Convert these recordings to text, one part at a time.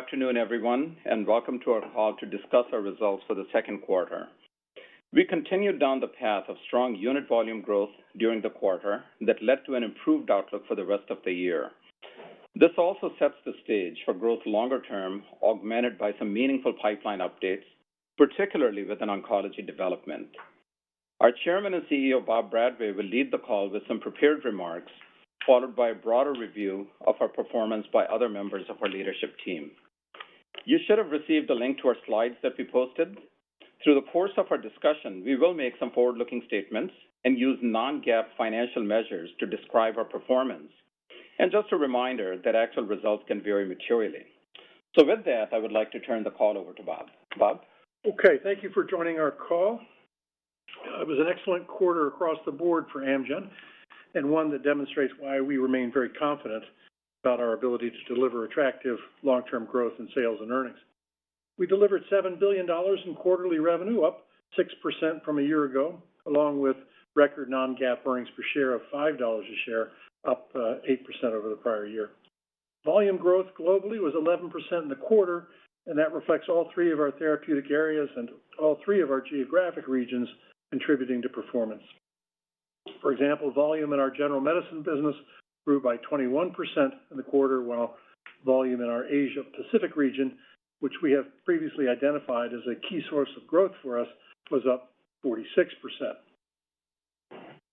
Good afternoon, everyone, and welcome to our call to discuss our results for the second quarter. We continued down the path of strong unit volume growth during the quarter that led to an improved outlook for the rest of the year. This also sets the stage for growth longer term, augmented by some meaningful pipeline updates, particularly within oncology development. Our Chairman and CEO, Bob Bradway, will lead the call with some prepared remarks, followed by a broader review of our performance by other members of our leadership team. You should have received a link to our slides that we posted. Through the course of our discussion, we will make some forward-looking statements and use non-GAAP financial measures to describe our performance. Just a reminder that actual results can vary materially. With that, I would like to turn the call over to Bob. Bob? Okay, thank you for joining our call. It was an excellent quarter across the board for Amgen. One that demonstrates why we remain very confident about our ability to deliver attractive long-term growth in sales and earnings. We delivered $7 billion in quarterly revenue, up 6% from a year ago, along with record non-GAAP earnings per share of $5 a share, up 8% over the prior year. Volume growth globally was 11% in the quarter. That reflects all three of our therapeutic areas and all three of our geographic regions contributing to performance. For example, volume in our general medicine business grew by 21% in the quarter, while volume in our Asia Pacific region, which we have previously identified as a key source of growth for us, was up 46%.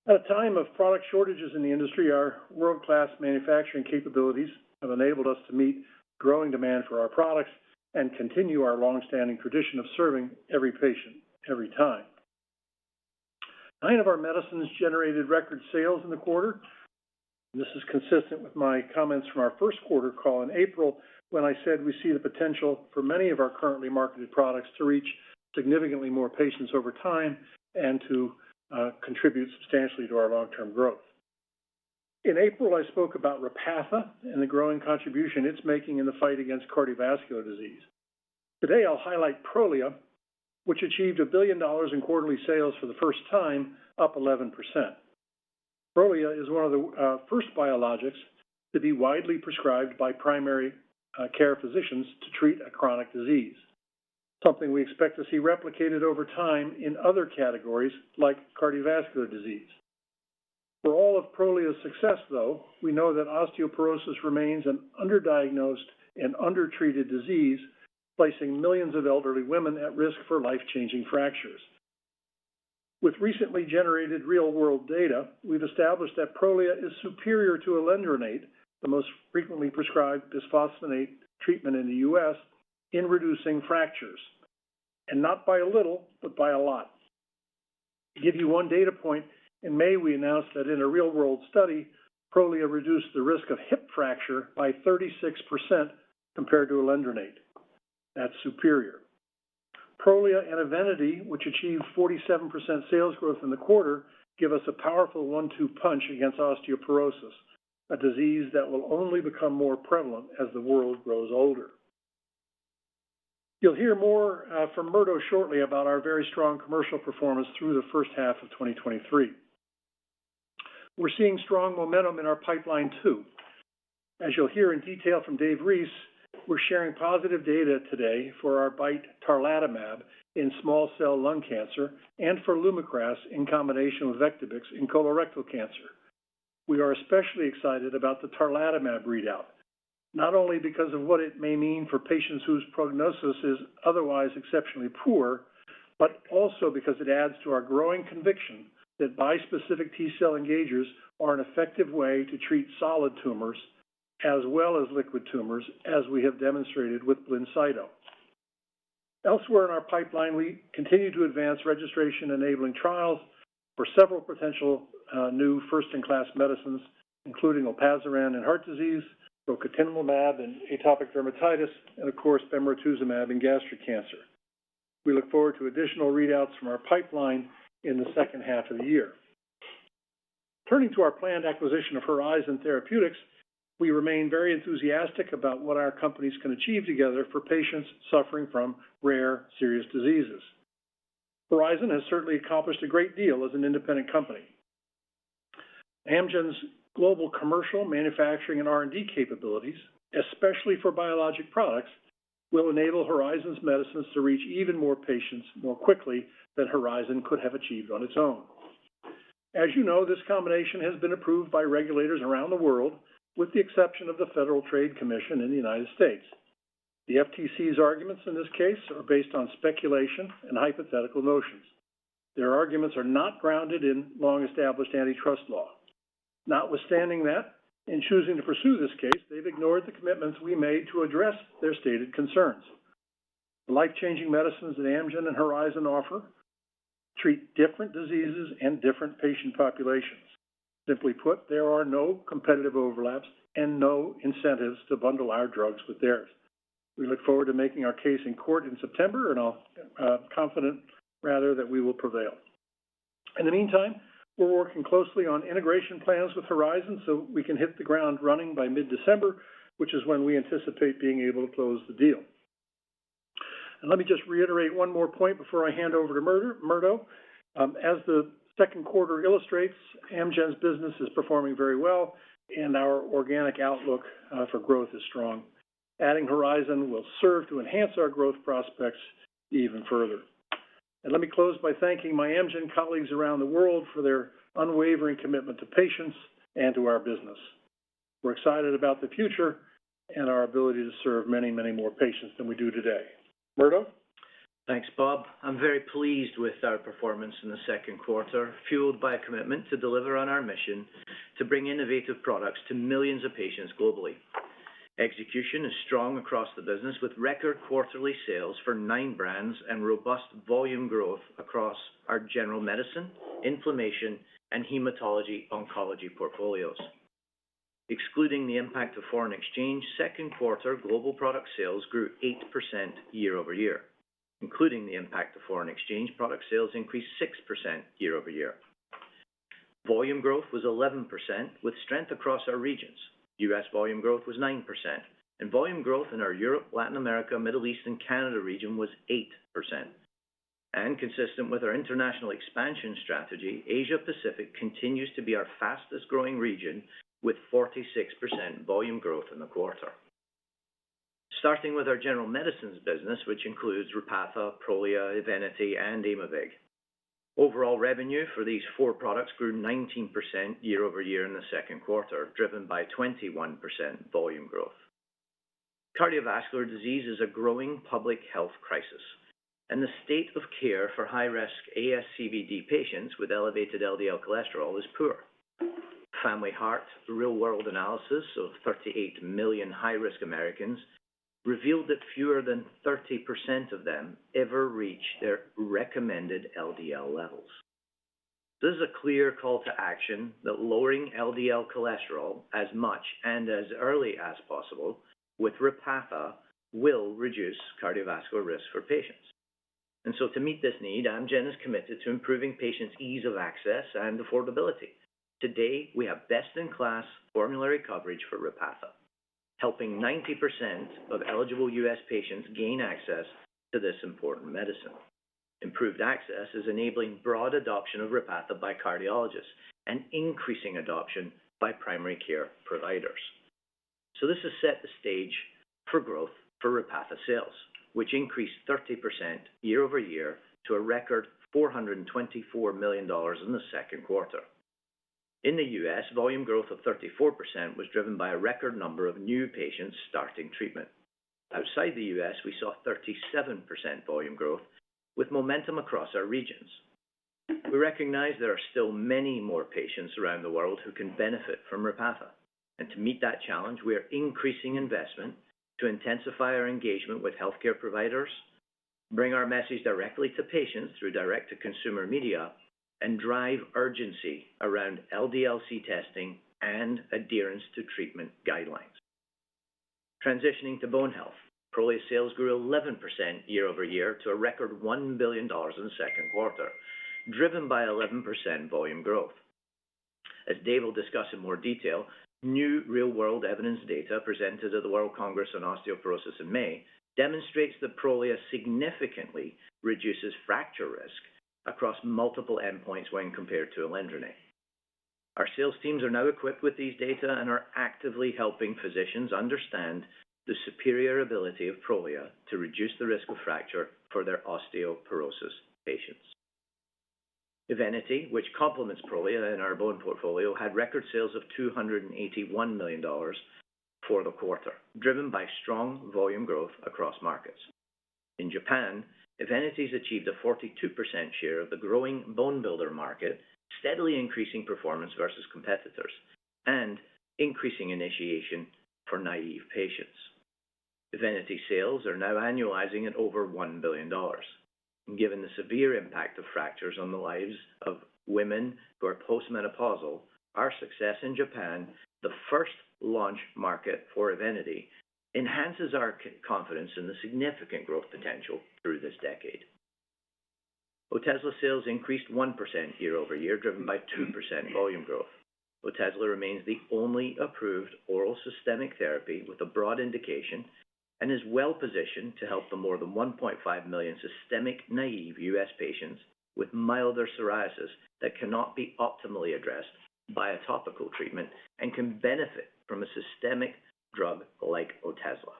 At a time of product shortages in the industry, our world-class manufacturing capabilities have enabled us to meet growing demand for our products and continue our long-standing tradition of serving every patient, every time. Nine of our medicines generated record sales in the quarter. This is consistent with my comments from our first quarter call in April when I said we see the potential for many of our currently marketed products to reach significantly more patients over time and to contribute substantially to our long-term growth. In April, I spoke about Repatha and the growing contribution it's making in the fight against cardiovascular disease. Today, I'll highlight Prolia, which achieved $1 billion in quarterly sales for the first time, up 11%. Prolia is one of the first biologics to be widely prescribed by primary care physicians to treat a chronic disease, something we expect to see replicated over time in other categories like cardiovascular disease. For all of Prolia's success, though, we know that osteoporosis remains an underdiagnosed and undertreated disease, placing millions of elderly women at risk for life-changing fractures. With recently generated real-world data, we've established that Prolia is superior to alendronate, the most frequently prescribed bisphosphonate treatment in the U.S., in reducing fractures, and not by a little, but by a lot. To give you one data point, in May, we announced that in a real-world study, Prolia reduced the risk of hip fracture by 36% compared to alendronate. That's superior. Prolia and EVENITY, which achieved 47% sales growth in the quarter, give us a powerful one-two punch against osteoporosis, a disease that will only become more prevalent as the world grows older. You'll hear more from Murdo shortly about our very strong commercial performance through the first half of 2023. We're seeing strong momentum in our pipeline, too. As you'll hear in detail from Dave Reese, we're sharing positive data today for our BiTE tarlatamab in small cell lung cancer and for LUMAKRAS in combination with Vectibix in colorectal cancer. We are especially excited about the tarlatamab readout, not only because of what it may mean for patients whose prognosis is otherwise exceptionally poor, but also because it adds to our growing conviction that bispecific T-cell engagers are an effective way to treat solid tumors as well as liquid tumors, as we have demonstrated with BLINCYTO. Elsewhere in our pipeline, we continue to advance registration-enabling trials for several potential new first-in-class medicines, including olpasiran in heart disease, rocatinlimab in atopic dermatitis, and of course, bemarituzumab in gastric cancer. We look forward to additional readouts from our pipeline in the second half of the year. Turning to our planned acquisition of Horizon Therapeutics, we remain very enthusiastic about what our companies can achieve together for patients suffering from rare, serious diseases. Horizon has certainly accomplished a great deal as an independent company. Amgen's global commercial manufacturing and R&D capabilities, especially for biologic products, will enable Horizon's medicines to reach even more patients more quickly than Horizon could have achieved on its own. As you know, this combination has been approved by regulators around the world, with the exception of the Federal Trade Commission in the United States. The FTC's arguments in this case are based on speculation and hypothetical notions. Their arguments are not grounded in long-established antitrust law. Notwithstanding that, in choosing to pursue this case, they've ignored the commitments we made to address their stated concerns. The life-changing medicines that Amgen and Horizon offer treat different diseases and different patient populations. Simply put, there are no competitive overlaps and no incentives to bundle our drugs with theirs. We look forward to making our case in court in September, and I'll confident rather, that we will prevail. In the meantime, we're working closely on integration plans with Horizon so we can hit the ground running by mid-December, which is when we anticipate being able to close the deal. Let me just reiterate one more point before I hand over to Murdo, Murdo. As the second quarter illustrates, Amgen's business is performing very well, and our organic outlook for growth is strong. Adding Horizon will serve to enhance our growth prospects even further. Let me close by thanking my Amgen colleagues around the world for their unwavering commitment to patients and to our business. We're excited about the future and our ability to serve many, many more patients than we do today. Murdo? Thanks, Bob. I'm very pleased with our performance in the second quarter, fueled by a commitment to deliver on our mission to bring innovative products to millions of patients globally. Execution is strong across the business, with record quarterly sales for nine brands and robust volume growth across our General Medicine, Inflammation, and Hematology Oncology portfolios. Excluding the impact of foreign exchange, second quarter global product sales grew 8% year-over-year. Including the impact of foreign exchange, product sales increased 6% year-over-year. Volume growth was 11%, with strength across our regions. U.S. volume growth was 9%, volume growth in our Europe, Latin America, Middle East, and Canada region was 8%. Consistent with our international expansion strategy, Asia Pacific continues to be our fastest-growing region, with 46% volume growth in the quarter. Starting with our General Medicines business, which includes Repatha, Prolia, EVENITY, and Aimovig. Overall revenue for these four products grew 19% year-over-year in the second quarter, driven by 21% volume growth. Cardiovascular disease is a growing public health crisis, and the state of care for high-risk ASCVD patients with elevated LDL cholesterol is poor. Family Heart, the real-world analysis of 38 million high-risk Americans, revealed that fewer than 30% of them ever reach their recommended LDL levels. This is a clear call to action that lowering LDL cholesterol as much and as early as possible with Repatha will reduce cardiovascular risk for patients. So to meet this need, Amgen is committed to improving patients' ease of access and affordability. To date, we have best-in-class formulary coverage for Repatha, helping 90% of eligible U.S. patients gain access to this important medicine. Improved access is enabling broad adoption of Repatha by cardiologists and increasing adoption by primary care providers. This has set the stage for growth for Repatha sales, which increased 30% year-over-year to a record $424 million in the second quarter. In the U.S., volume growth of 34% was driven by a record number of new patients starting treatment. Outside the U.S., we saw 37% volume growth, with momentum across our regions. We recognize there are still many more patients around the world who can benefit from Repatha, and to meet that challenge, we are increasing investment to intensify our engagement with healthcare providers, bring our message directly to patients through direct-to-consumer media, and drive urgency around LDL-C testing and adherence to treatment guidelines. Transitioning to Bone Health, Prolia sales grew 11% year-over-year to a record $1 billion in the second quarter, driven by 11% volume growth. As Dave will discuss in more detail, new real-world evidence data presented at the World Congress on Osteoporosis in May, demonstrates that Prolia significantly reduces fracture risk across multiple endpoints when compared to alendronate. Our sales teams are now equipped with these data and are actively helping physicians understand the superior ability of Prolia to reduce the risk of fracture for their osteoporosis patients. EVENITY, which complements Prolia in our bone portfolio, had record sales of $281 million for the quarter, driven by strong volume growth across markets. In Japan, EVENITY has achieved a 42% share of the growing bone builder market, steadily increasing performance versus competitors, and increasing initiation for naive patients. EVENITY sales are now annualizing at over $1 billion. Given the severe impact of fractures on the lives of women who are postmenopausal, our success in Japan, the first launch market for EVENITY, enhances our confidence in the significant growth potential through this decade. Otezla sales increased 1% year-over-year, driven by 2% volume growth. Otezla remains the only approved oral systemic therapy with a broad indication and is well-positioned to help the more than 1.5 million systemic naive U.S. patients with milder psoriasis that cannot be optimally addressed by a topical treatment and can benefit from a systemic drug like Otezla.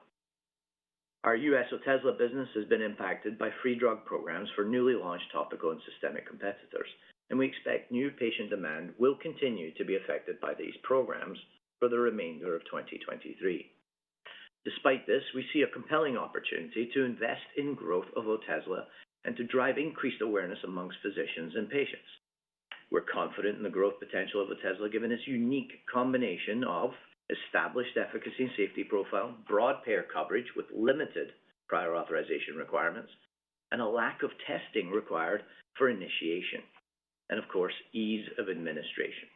Our U.S. Otezla business has been impacted by free drug programs for newly launched topical and systemic competitors, and we expect new patient demand will continue to be affected by these programs for the remainder of 2023. Despite this, we see a compelling opportunity to invest in growth of Otezla and to drive increased awareness amongst physicians and patients. We're confident in the growth potential of Otezla, given its unique combination of established efficacy and safety profile, broad payer coverage with limited prior authorization requirements, and a lack of testing required for initiation, and of course, ease of administration.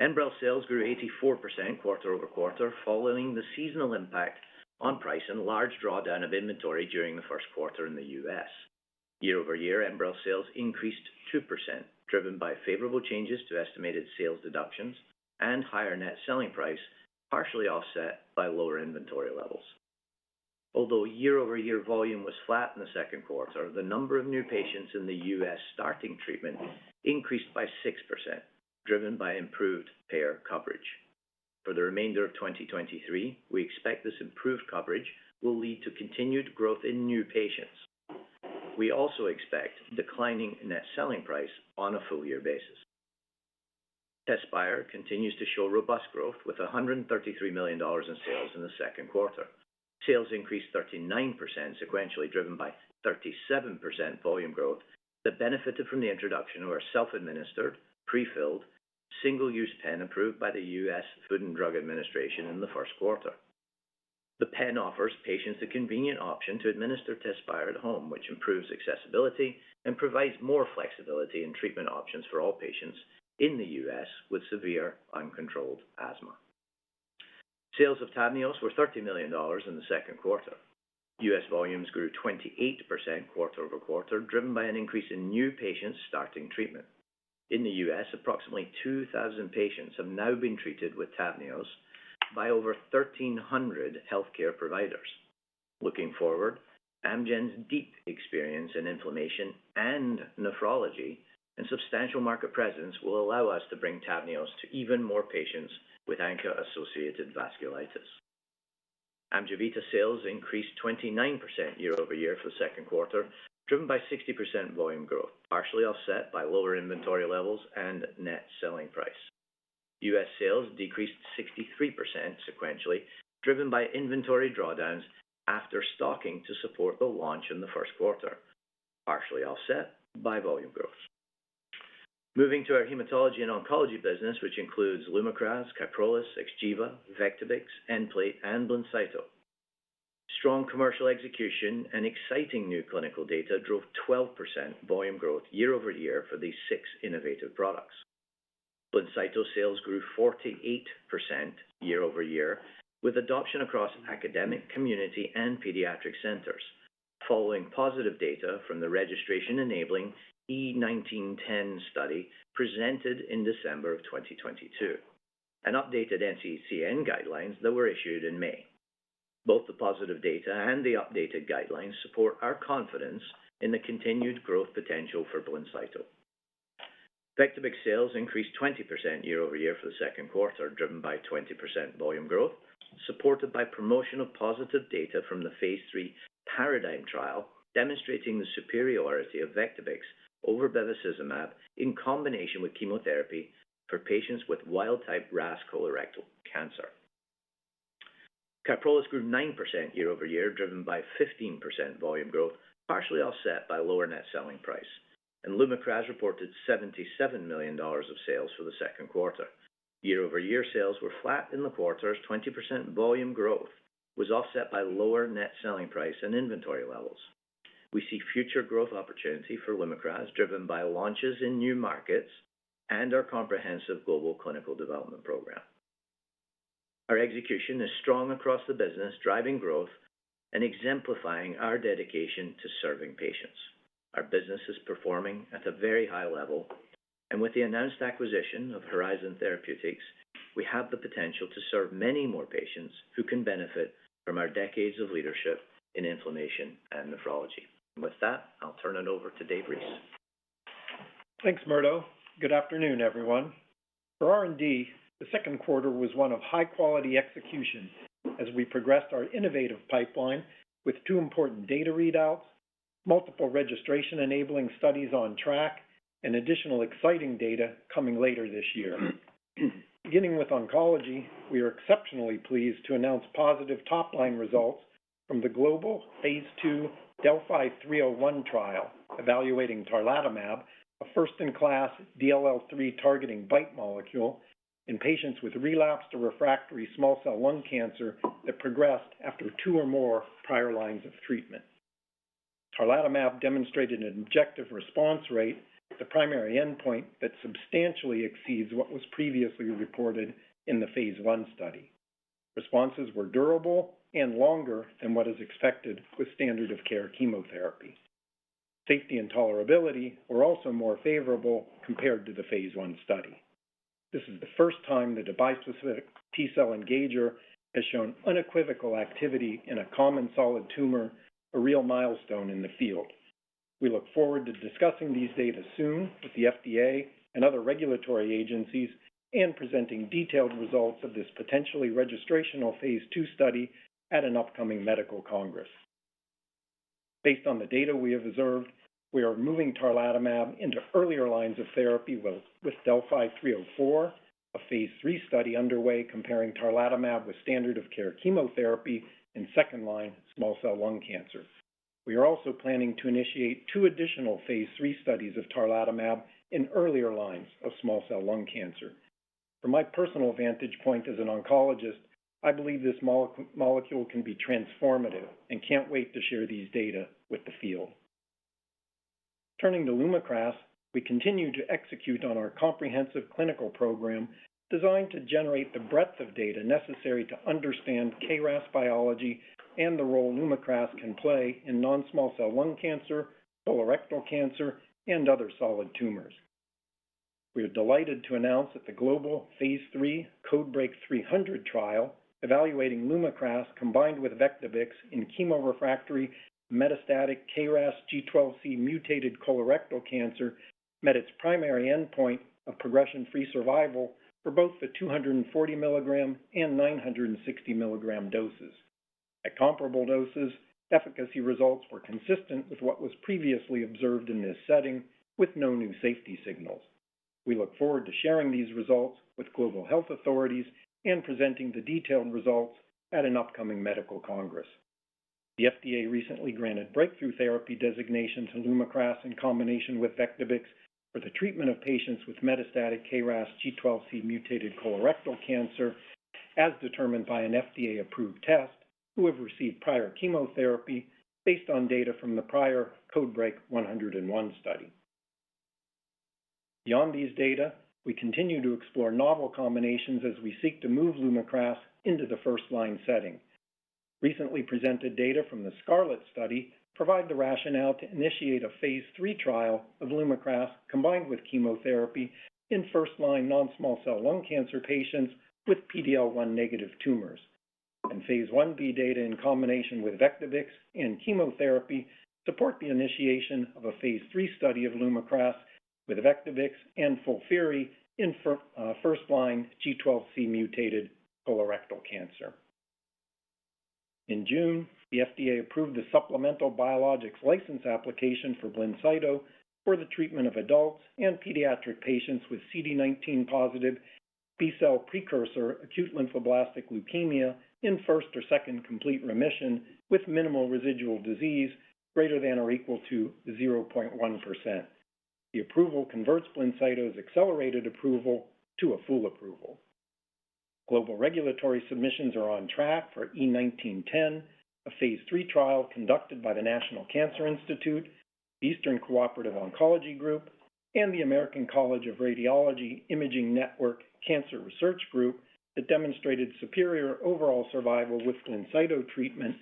Enbrel sales grew 84% quarter-over-quarter, following the seasonal impact on price and large drawdown of inventory during the first quarter in the U.S. Year-over-year, Enbrel sales increased 2%, driven by favorable changes to estimated sales deductions and higher net selling price, partially offset by lower inventory levels. Although year-over-year volume was flat in the second quarter, the number of new patients in the U.S. starting treatment increased by 6%, driven by improved payer coverage. For the remainder of 2023, we expect this improved coverage will lead to continued growth in new patients. We also expect declining net selling price on a full year basis. TEZSPIRE continues to show robust growth, with $133 million in sales in the second quarter. Sales increased 39% sequentially, driven by 37% volume growth that benefited from the introduction of our self-administered, prefilled, single-use pen, approved by the U.S. Food and Drug Administration in the first quarter. The pen offers patients a convenient option to administer TEZSPIRE at home, which improves accessibility and provides more flexibility in treatment options for all patients in the U.S. with severe uncontrolled asthma. Sales of TAVNEOS were $30 million in the second quarter. U.S. volumes grew 28% quarter-over-quarter, driven by an increase in new patients starting treatment. In the U.S., approximately 2,000 patients have now been treated with TAVNEOS by over 1,300 healthcare providers. Looking forward, Amgen's deep experience in inflammation and nephrology and substantial market presence will allow us to bring TAVNEOS to even more patients with ANCA-associated vasculitis. AMGEVITA sales increased 29% year-over-year for the second quarter, driven by 60% volume growth, partially offset by lower inventory levels and net selling price. U.S. sales decreased 63% sequentially, driven by inventory drawdowns after stocking to support the launch in the first quarter, partially offset by volume growth. Moving to our Hematology and Oncology business, which includes LUMAKRAS, KYPROLIS, XGEVA, Vectibix, Nplate, and BLINCYTO. Strong commercial execution and exciting new clinical data drove 12% volume growth year-over-year for these six innovative products. BLINCYTO sales grew 48% year-over-year, with adoption across academic, community, and pediatric centers, following positive data from the registration-enabling E1910 study presented in December of 2022, and updated NCCN guidelines that were issued in May. Both the positive data and the updated guidelines support our confidence in the continued growth potential for BLINCYTO. Vectibix sales increased 20% year-over-year for the second quarter, driven by 20% volume growth, supported by promotional positive data from the phase III PARADIGM trial, demonstrating the superiority of Vectibix over bevacizumab in combination with chemotherapy for patients with wild-type RAS colorectal cancer. KYPROLIS grew 9% year-over-year, driven by 15% volume growth, partially offset by lower net selling price. LUMAKRAS reported $77 million of sales for the second quarter. Year-over-year sales were flat in the quarter as 20% volume growth was offset by lower net selling price and inventory levels. We see future growth opportunity for LUMAKRAS, driven by launches in new markets and our comprehensive global clinical development program. Our execution is strong across the business, driving growth and exemplifying our dedication to serving patients. With the announced acquisition of Horizon Therapeutics, we have the potential to serve many more patients who can benefit from our decades of leadership in inflammation and nephrology. With that, I'll turn it over to Dave Reese. Thanks, Murdo. Good afternoon, everyone. For R&D, the second quarter was one of high-quality execution as we progressed our innovative pipeline with two important data readouts, multiple registration-enabling studies on track, and additional exciting data coming later this year. Beginning with oncology, we are exceptionally pleased to announce positive top-line results from the global phase II DeLLphi-301 trial, evaluating tarlatamab, a first-in-class DLL3-targeting BiTE molecule in patients with relapsed or refractory small cell lung cancer that progressed after two or more prior lines of treatment. tarlatamab demonstrated an objective response rate, the primary endpoint, that substantially exceeds what was previously reported in the phase I study. Responses were durable and longer than what is expected with standard of care chemotherapy. Safety and tolerability were also more favorable compared to the phase I study. This is the first time that a bispecific T-cell engager has shown unequivocal activity in a common solid tumor, a real milestone in the field. We look forward to discussing these data soon with the FDA and other regulatory agencies, and presenting detailed results of this potentially registrational phase II study at an upcoming medical congress. Based on the data we have observed, we are moving tarlatamab into earlier lines of therapy with DeLLphi-304, a phase III study underway comparing tarlatamab with standard of care chemotherapy in second-line small cell lung cancer. We are also planning to initiate two additional phase III studies of tarlatamab in earlier lines of small cell lung cancer. From my personal vantage point as an oncologist, I believe this molecule can be transformative and can't wait to share these data with the field. Turning to LUMAKRAS, we continue to execute on our comprehensive clinical program designed to generate the breadth of data necessary to understand KRAS biology and the role LUMAKRAS can play in non-small cell lung cancer, colorectal cancer, and other solid tumors. We are delighted to announce that the global phase III CodeBreaK 300 trial, evaluating LUMAKRAS combined with Vectibix in chemo-refractory metastatic KRAS G12C mutated colorectal cancer, met its primary endpoint of progression-free survival for both the 240 mg and 960 mg doses. At comparable doses, efficacy results were consistent with what was previously observed in this setting, with no new safety signals. We look forward to sharing these results with global health authorities and presenting the detailed results at an upcoming medical congress. The FDA recently granted Breakthrough Therapy designation to LUMAKRAS in combination with Vectibix for the treatment of patients with metastatic KRAS G12C mutated colorectal cancer, as determined by an FDA-approved test, who have received prior chemotherapy based on data from the prior CodeBreaK 101 study. Beyond these data, we continue to explore novel combinations as we seek to move LUMAKRAS into the first-line setting. Recently presented data from the SCARLET study provide the rationale to initiate a phase III trial of LUMAKRAS combined with chemotherapy in first-line non-small cell lung cancer patients with PD-L1 negative tumors. Phase I-B data in combination with Vectibix and chemotherapy support the initiation of a phase III study of LUMAKRAS with Vectibix and FOLFIRI in first-line G12C mutated colorectal cancer. In June, the FDA approved a supplemental Biologics License Application for BLINCYTO for the treatment of adults and pediatric patients with CD19 positive B-cell precursor acute lymphoblastic leukemia in first or second complete remission, with minimal residual disease greater than or equal to 0.1%. The approval converts BLINCYTO's accelerated approval to a full approval. Global regulatory submissions are on track for E1910, a phase III trial conducted by the National Cancer Institute, Eastern Cooperative Oncology Group, and the American College of Radiology Imaging Network Cancer Research Group, that demonstrated superior overall survival with BLINCYTO treatment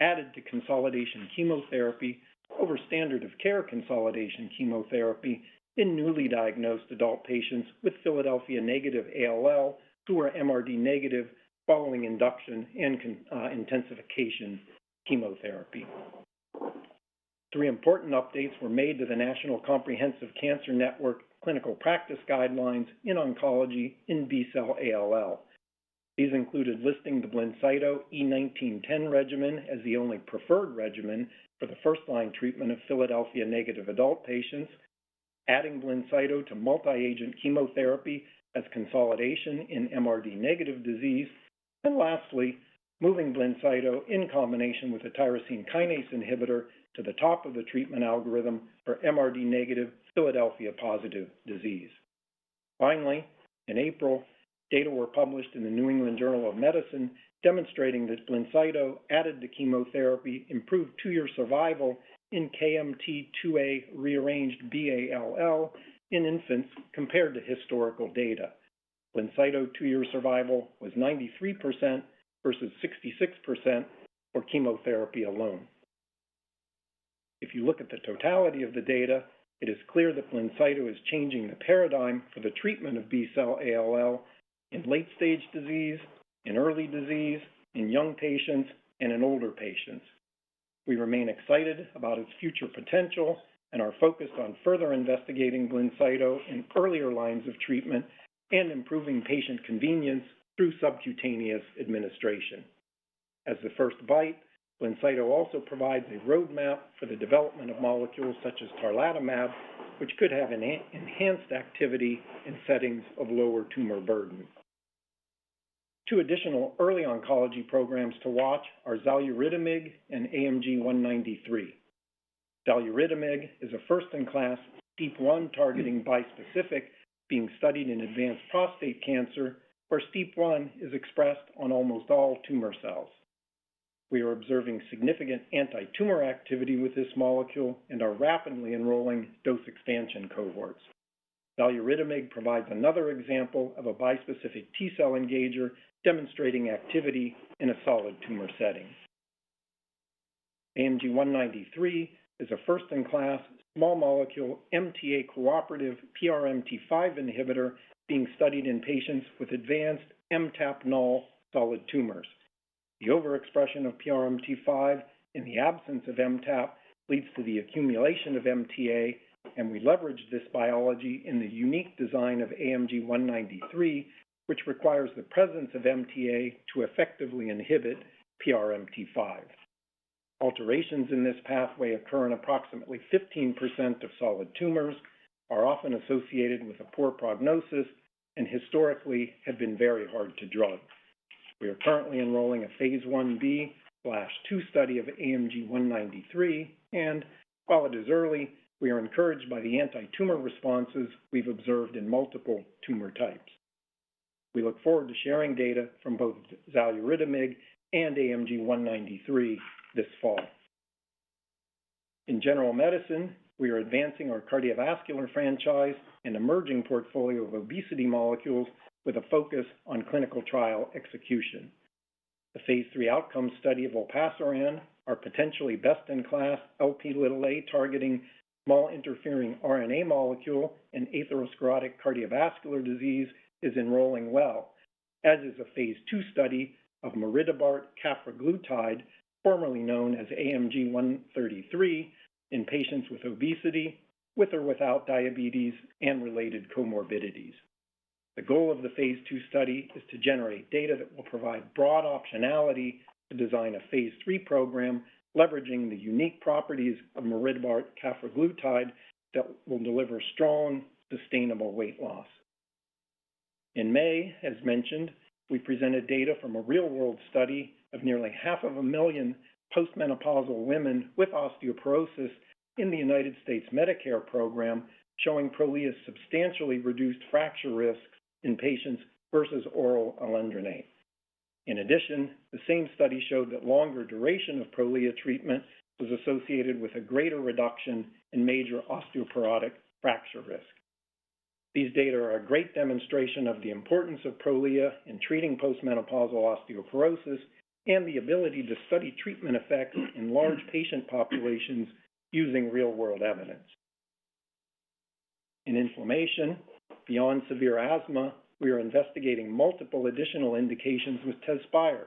added to consolidation chemotherapy over standard of care consolidation chemotherapy in newly diagnosed adult patients with Philadelphia chromosome-negative ALL, who are MRD negative following induction and con intensification chemotherapy. Three important updates were made to the National Comprehensive Cancer Network clinical practice guidelines in oncology in B-cell ALL. These included listing the BLINCYTO E1910 regimen as the only preferred regimen for the first-line treatment of Philadelphia-negative adult patients, adding BLINCYTO to multi-agent chemotherapy as consolidation in MRD negative disease, and lastly, moving BLINCYTO in combination with a tyrosine kinase inhibitor to the top of the treatment algorithm for MRD negative Philadelphia-positive disease. In April, data were published in The New England Journal of Medicine demonstrating that BLINCYTO added to chemotherapy improved two-year survival in KMT2A rearranged B-ALL in infants compared to historical data. BLINCYTO two-year survival was 93% versus 66% for chemotherapy alone. If you look at the totality of the data, it is clear that BLINCYTO is changing the paradigm for the treatment of B-cell ALL in late-stage disease, in early disease, in young patients, and in older patients. We remain excited about its future potential and are focused on further investigating BLINCYTO in earlier lines of treatment and improving patient convenience through subcutaneous administration. As the first BiTE, BLINCYTO also provides a roadmap for the development of molecules such as Tarlatamab, which could have an enhanced activity in settings of lower tumor burden. Two additional early oncology programs to watch are xaluritamig and AMG 193. xaluritamig is a first-in-class STEAP1 targeting bispecific being studied in advanced prostate cancer, where STEAP1 is expressed on almost all tumor cells. We are observing significant antitumor activity with this molecule and are rapidly enrolling dose expansion cohorts. xaluritamig provides another example of a bispecific T-cell engager demonstrating activity in a solid tumor setting. AMG 193 is a first-in-class, small molecule, MTA-cooperative PRMT5 inhibitor being studied in patients with advanced MTAP-null solid tumors. The overexpression of PRMT5 in the absence of MTAP leads to the accumulation of MTA. We leverage this biology in the unique design of AMG 193, which requires the presence of MTA to effectively inhibit PRMT5. Alterations in this pathway occur in approximately 15% of solid tumors, are often associated with a poor prognosis, and historically have been very hard to drug. We are currently enrolling a phase I-B/II study of AMG 193, and while it is early, we are encouraged by the antitumor responses we've observed in multiple tumor types. We look forward to sharing data from both xaluritamig and AMG 193 this fall. In general medicine, we are advancing our cardiovascular franchise and emerging portfolio of obesity molecules with a focus on clinical trial execution. A phase III outcome study of olpasiran, our potentially best-in-class Lp(a) targeting siRNA molecule and atherosclerotic cardiovascular disease, is enrolling well, as is a phase II study of maridebart cafraglutide, formerly known as AMG 133, in patients with obesity, with or without diabetes and related comorbidities. The goal of the phase II study is to generate data that will provide broad optionality to design a phase III program, leveraging the unique properties of maridebart cafraglutide that will deliver strong, sustainable weight loss. In May, as mentioned, we presented data from a real-world study of nearly half of a million postmenopausal women with osteoporosis in the United States Medicare program, showing Prolia's substantially reduced fracture risk in patients versus oral alendronate. In addition, the same study showed that longer duration of Prolia treatment was associated with a greater reduction in major osteoporotic fracture risk. These data are a great demonstration of the importance of Prolia in treating postmenopausal osteoporosis and the ability to study treatment effects in large patient populations using real-world evidence. In inflammation, beyond severe asthma, we are investigating multiple additional indications with TEZSPIRE,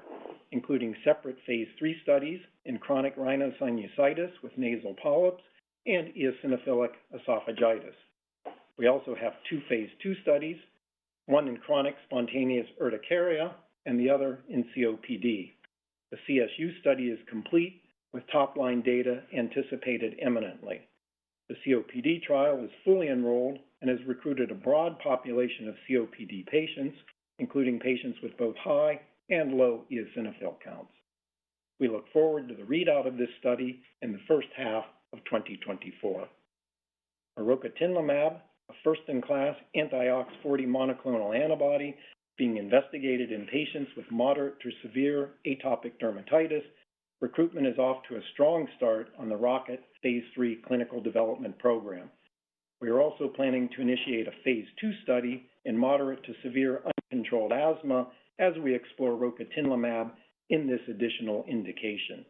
including separate phase III studies in chronic rhinosinusitis with nasal polyps and eosinophilic esophagitis. We also have two phase II studies, one in chronic spontaneous urticaria and the other in COPD. The CSU study is complete, with top-line data anticipated imminently. The COPD trial is fully enrolled and has recruited a broad population of COPD patients, including patients with both high and low eosinophil counts. We look forward to the readout of this study in the first half of 2024. Rocatinlimab, a first-in-class anti-OX40 monoclonal antibody, being investigated in patients with moderate to severe atopic dermatitis. Recruitment is off to a strong start on the ROCKET phase III clinical development program. We are also planning to initiate a phase II study in moderate to severe uncontrolled asthma, as we explore rocatinlimab in this additional indication.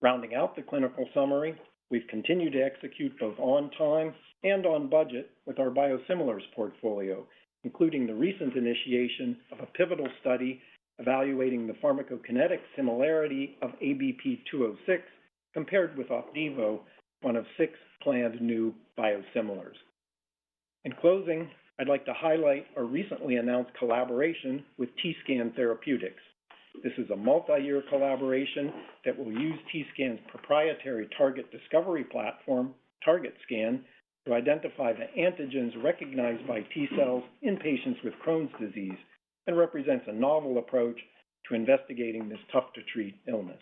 Rounding out the clinical summary, we've continued to execute both on time and on budget with our biosimilars portfolio, including the recent initiation of a pivotal study evaluating the pharmacokinetic similarity of ABP 206 compared with Opdivo, one of six planned new biosimilars. In closing, I'd like to highlight a recently announced collaboration with TScan Therapeutics. This is a multi-year collaboration that will use TScan's proprietary target discovery platform, TargetScan, to identify the antigens recognized by T cells in patients with Crohn's disease and represents a novel approach to investigating this tough-to-treat illness.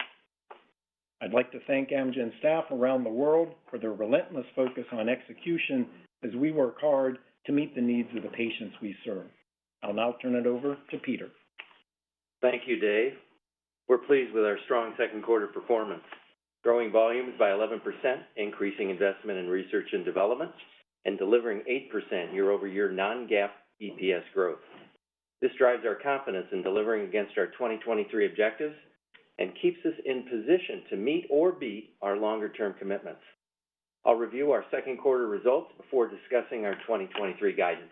I'd like to thank Amgen staff around the world for their relentless focus on execution as we work hard to meet the needs of the patients we serve. I'll now turn it over to Peter. Thank you, Dave. We're pleased with our strong second quarter performance, growing volumes by 11%, increasing investment in research and development, and delivering 8% year-over-year non-GAAP EPS growth. This drives our confidence in delivering against our 2023 objectives and keeps us in position to meet or beat our longer-term commitments. I'll review our second quarter results before discussing our 2023 guidance.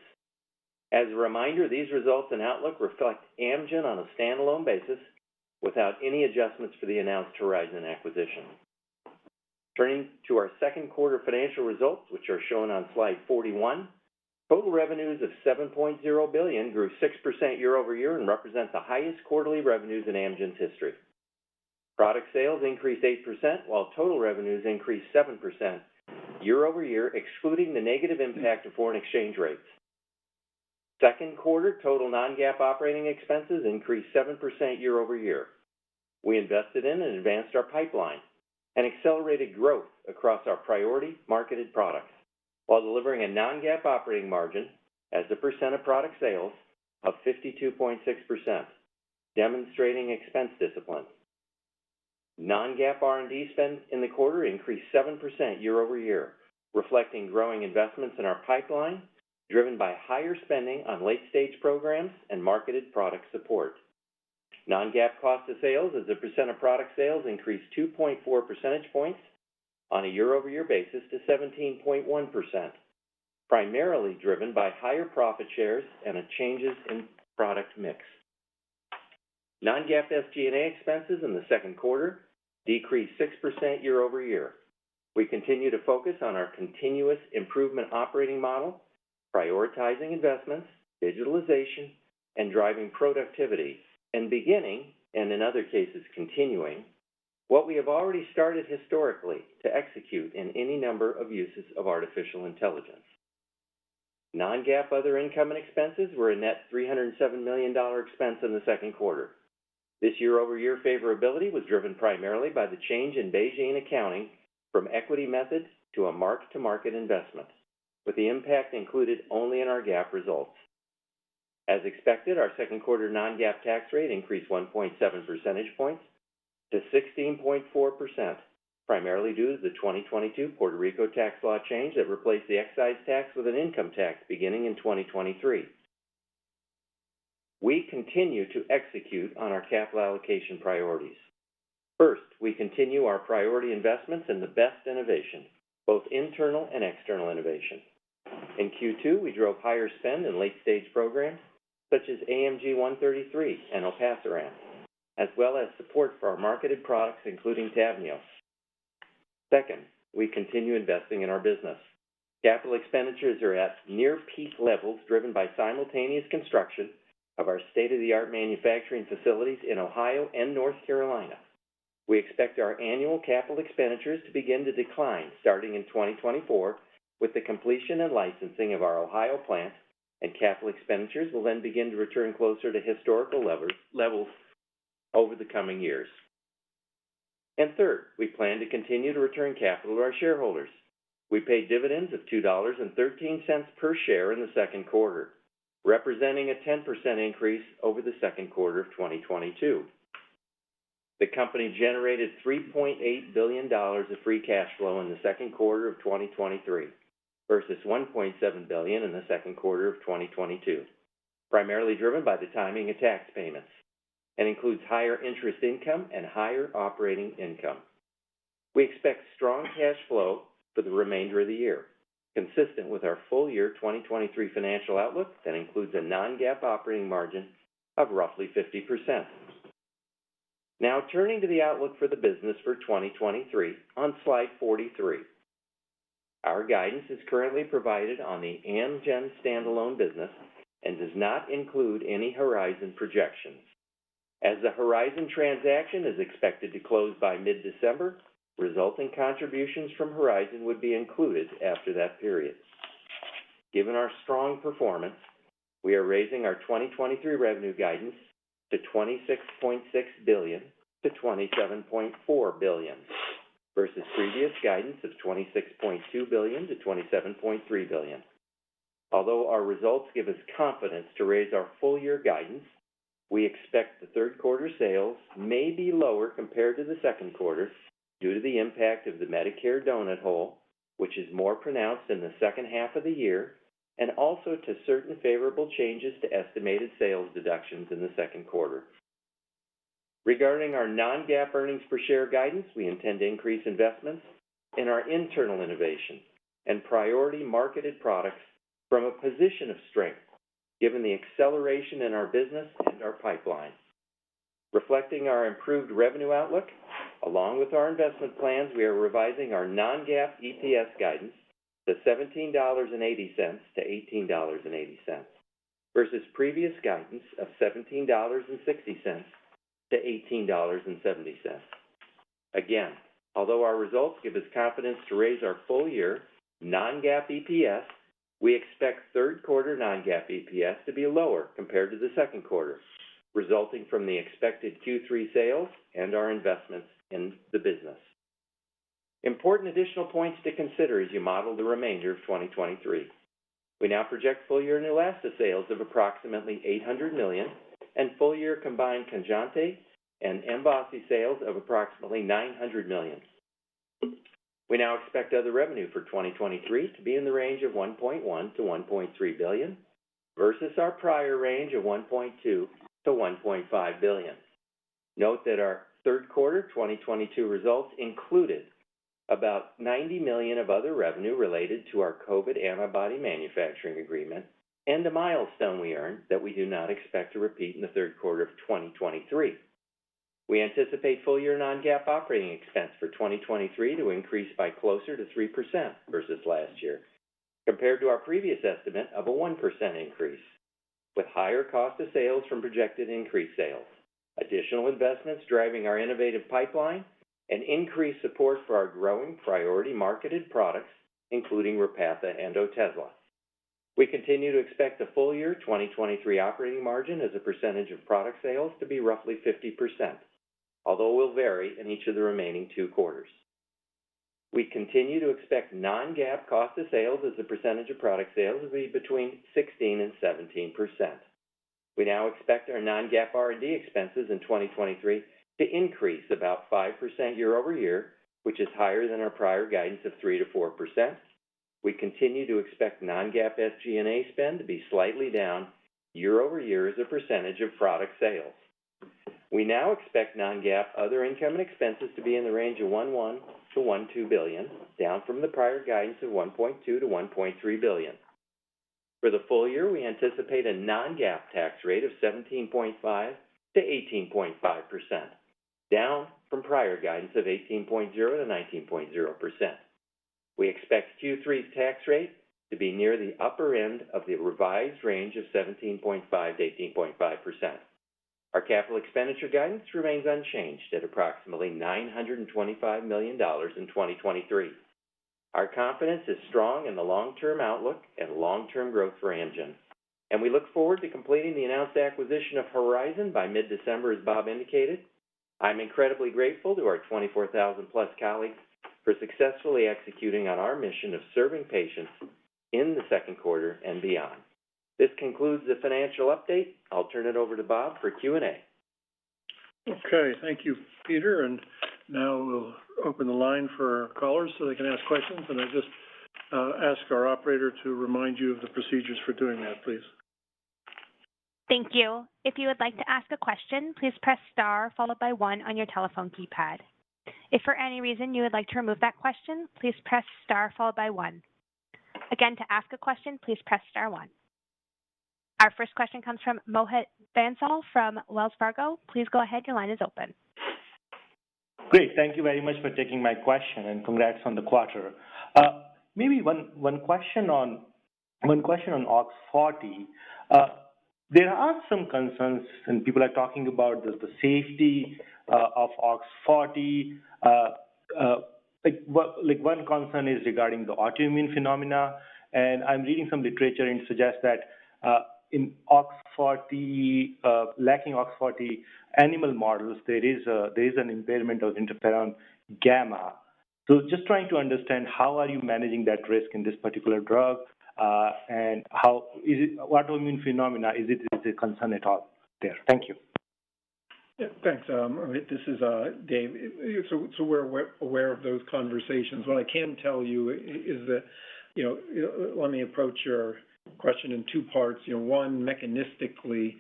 As a reminder, these results and outlook reflect Amgen on a standalone basis without any adjustments for the announced Horizon acquisition. Turning to our second quarter financial results, which are shown on slide 41, total revenues of $7.0 billion grew 6% year-over-year and represent the highest quarterly revenues in Amgen's history. Product sales increased 8%, while total revenues increased 7% year-over-year, excluding the negative impact of foreign exchange rates. Second quarter total non-GAAP operating expenses increased 7% year-over-year. We invested in and advanced our pipeline and accelerated growth across our priority marketed products, while delivering a non-GAAP operating margin as a percent of product sales of 52.6%, demonstrating expense discipline. Non-GAAP R&D spend in the quarter increased 7% year-over-year, reflecting growing investments in our pipeline, driven by higher spending on late-stage programs and marketed product support. Non-GAAP cost of sales as a percent of product sales increased 2.4 percentage points on a year-over-year basis to 17.1%, primarily driven by higher profit shares and a changes in product mix. Non-GAAP SG&A expenses in the second quarter decreased 6% year-over-year. We continue to focus on our continuous improvement operating model, prioritizing investments, digitalization, and driving productivity, and beginning, and in other cases, continuing what we have already started historically to execute in any number of uses of artificial intelligence. Non-GAAP other income and expenses were a net $307 million expense in the second quarter. This year-over-year favorability was driven primarily by the change in BeiGene accounting from equity methods to a mark-to-market investment, with the impact included only in our GAAP results. As expected, our second quarter non-GAAP tax rate increased 1.7 percentage points to 16.4%, primarily due to the 2022 Puerto Rico tax law change that replaced the excise tax with an income tax beginning in 2023. We continue to execute on our capital allocation priorities. We continue our priority investments in the best innovation, both internal and external innovation. In Q2, we drove higher spend in late-stage programs such as AMG 133 and olpasiran, as well as support for our marketed products, including TAVNEOS. We continue investing in our business. Capital expenditures are at near peak levels, driven by simultaneous construction of our state-of-the-art manufacturing facilities in Ohio and North Carolina. We expect our annual capital expenditures to begin to decline starting in 2024, with the completion and licensing of our Ohio plant, capital expenditures will then begin to return closer to historical levels, levels over the coming years. We plan to continue to return capital to our shareholders. We paid dividends of $2.13 per share in the second quarter, representing a 10% increase over the second quarter of 2022. The company generated $3.8 billion of free cash flow in the second quarter of 2023 versus $1.7 billion in the second quarter of 2022, primarily driven by the timing of tax payments and includes higher interest income and higher operating income. We expect strong cash flow for the remainder of the year, consistent with our full year 2023 financial outlook, that includes a non-GAAP operating margin of roughly 50%. Now turning to the outlook for the business for 2023 on Slide 43. Our guidance is currently provided on the Amgen standalone business and does not include any Horizon projections. As the Horizon transaction is expected to close by mid-December, resulting contributions from Horizon would be included after that period. Given our strong performance, we are raising our 2023 revenue guidance to $26.6 billion-$27.4 billion, versus previous guidance of $26.2 billion-$27.3 billion. Although our results give us confidence to raise our full year guidance, we expect the third quarter sales may be lower compared to the second quarter due to the impact of the Medicare donut hole, which is more pronounced in the second half of the year, and also to certain favorable changes to estimated sales deductions in the second quarter. Regarding our non-GAAP earnings per share guidance, we intend to increase investments in our internal innovation and priority marketed products from a position of strength, given the acceleration in our business and our pipeline. Reflecting our improved revenue outlook, along with our investment plans, we are revising our non-GAAP EPS guidance to $17.80-$18.80, versus previous guidance of $17.60-$18.70. Again, although our results give us confidence to raise our full-year non-GAAP EPS, we expect Q3 non-GAAP EPS to be lower compared to the Q2, resulting from the expected Q3 sales and our investments in the business. Important additional points to consider as you model the remainder of 2023. We now project full-year Neulasta sales of approximately $800 million and full-year combined KANJINTI and AMGEVITA sales of approximately $900 million. We now expect other revenue for 2023 to be in the range of $1.1 billion-$1.3 billion, versus our prior range of $1.2 billion-$1.5 billion. Note that our third quarter 2022 results included about $90 million of other revenue related to our COVID antibody manufacturing agreement and the milestone we earned that we do not expect to repeat in the third quarter of 2023. We anticipate full year non-GAAP operating expense for 2023 to increase by closer to 3% versus last year, compared to our previous estimate of a 1% increase, with higher cost of sales from projected increased sales, additional investments driving our innovative pipeline, and increased support for our growing priority marketed products, including Repatha and Otezla. We continue to expect the full year 2023 operating margin as a percentage of product sales to be roughly 50%, although will vary in each of the remaining two quarters. We continue to expect non-GAAP cost of sales as a percentage of product sales to be between 16% and 17%. We now expect our non-GAAP R&D expenses in 2023 to increase about 5% year-over-year, which is higher than our prior guidance of 3%-4%. We continue to expect non-GAAP SG&A spend to be slightly down year-over-year as a percentage of product sales. We now expect non-GAAP other income and expenses to be in the range of $1.1 billion-$1.2 billion, down from the prior guidance of $1.2 billion-$1.3 billion. For the full year, we anticipate a non-GAAP tax rate of 17.5%-18.5%, down from prior guidance of 18.0%-19.0%. We expect Q3's tax rate to be near the upper end of the revised range of 17.5%-18.5%. Our capital expenditure guidance remains unchanged at approximately $925 million in 2023. Our confidence is strong in the long-term outlook and long-term growth for Amgen. We look forward to completing the announced acquisition of Horizon by mid-December, as Bob indicated. I'm incredibly grateful to our 24,000 plus colleagues for successfully executing on our mission of serving patients in the second quarter and beyond. This concludes the financial update. I'll turn it over to Bob for Q&A. Okay. Thank you, Peter. Now we'll open the line for callers so they can ask questions, and I just ask our operator to remind you of the procedures for doing that, please. Thank you. If you would like to ask a question, please press star, followed by one on your telephone keypad. If for any reason you would like to remove that question, please press star followed by one. Again, to ask a question, please press star one. Our first question comes from Mohit Bansal from Wells Fargo. Please go ahead. Your line is open. Great. Thank you very much for taking my question, and congrats on the quarter. Maybe one, one question on, one question on OX40. There are some concerns, and people are talking about the, the safety of OX40. Like, one, like one concern is regarding the autoimmune phenomena, and I'm reading some literature and suggest that in OX40, lacking OX40 animal models, there is a, there is an impairment of interferon-γ. Just trying to understand how are you managing that risk in this particular drug? And how... autoimmune phenomena, is it, is it a concern at all there? Thank you. Yeah, thanks, Mohit. This is, Dave. We're aware, aware of those conversations. What I can tell you is that, you know, let me approach your question in two parts. You know, one, mechanistically,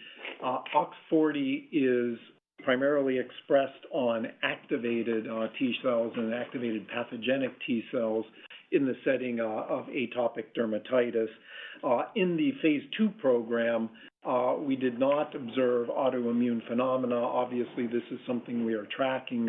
OX40 is primarily expressed on activated, T cells and activated pathogenic T cells in the setting, of atopic dermatitis. In the phase II program, we did not observe autoimmune phenomena. Obviously, this is something we are tracking,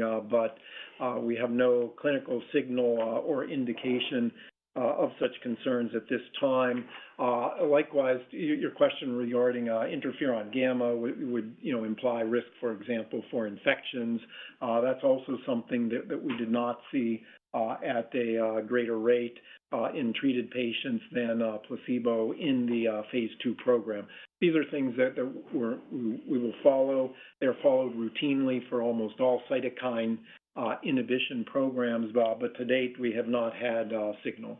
we have no clinical signal, or indication, of such concerns at this time. Likewise, y-your question regarding, interferon-γ would, would, you know, imply risk, for example, for infections. That's also something that, that we did not see, at a, greater rate, in treated patients than, placebo in the, phase II program. These are things that, that we will follow. They're followed routinely for almost all cytokine, inhibition programs, but to date, we have not had a signal.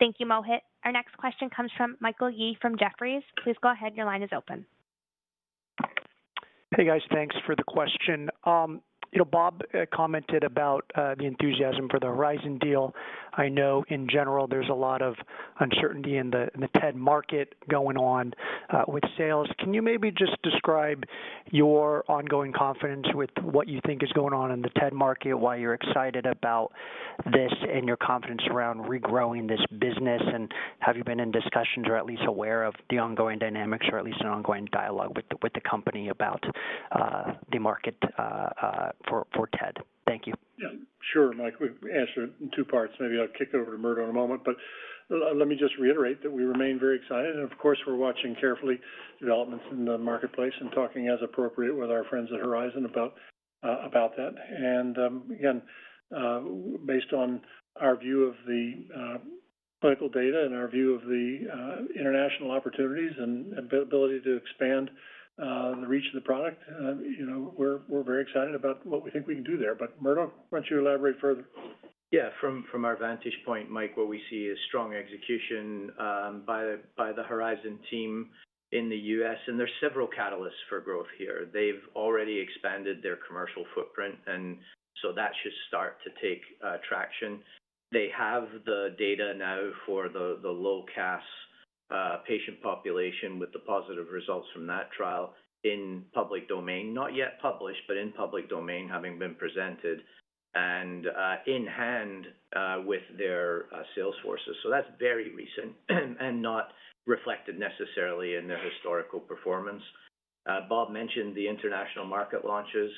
Thank you, Mohit. Our next question comes from Michael Yee from Jefferies. Please go ahead. Your line is open. Hey, guys. Thanks for the question. You know, Bob commented about the enthusiasm for the Horizon deal. I know in general, there's a lot of uncertainty in the, in the TED market going on with sales. Can you maybe just describe your ongoing confidence with what you think is going on in the TED market, why you're excited about this, and your confidence around regrowing this business? Have you been in discussions or at least aware of the ongoing dynamics, or at least an ongoing dialogue with the, with the company about the market for TED? Thank you. Yeah, sure, Mike. We've answered in two parts. Maybe I'll kick it over to Murdo in a moment, but let me just reiterate that we remain very excited, and of course, we're watching carefully developments in the marketplace and talking as appropriate with our friends at Horizon about, about that. Again, based on our view of the clinical data and our view of the international opportunities and ability to expand the reach of the product, you know, we're, we're very excited about what we think we can do there. Myrtle, why don't you elaborate further? Yeah. From, from our vantage point, Mike, what we see is strong execution by the Horizon team in the U.S., and there are several catalysts for growth here. They've already expanded their commercial footprint, and so that should start to take traction. They have the data now for the low CAS patient population, with the positive results from that trial in public domain, not yet published, but in public domain, having been presented and in hand with their sales forces. That's very recent and not reflected necessarily in their historical performance. Bob mentioned the international market launches.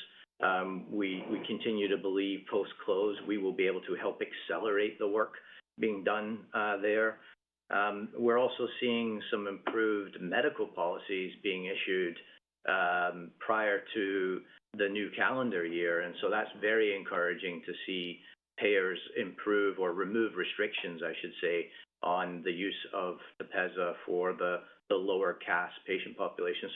We, we continue to believe post-close, we will be able to help accelerate the work being done there. We're also seeing some improved medical policies being issued prior to the new calendar year, and so that's very encouraging to see payers improve or remove restrictions, I should say, on the use of TEPEZZA for the lower CAS patient population.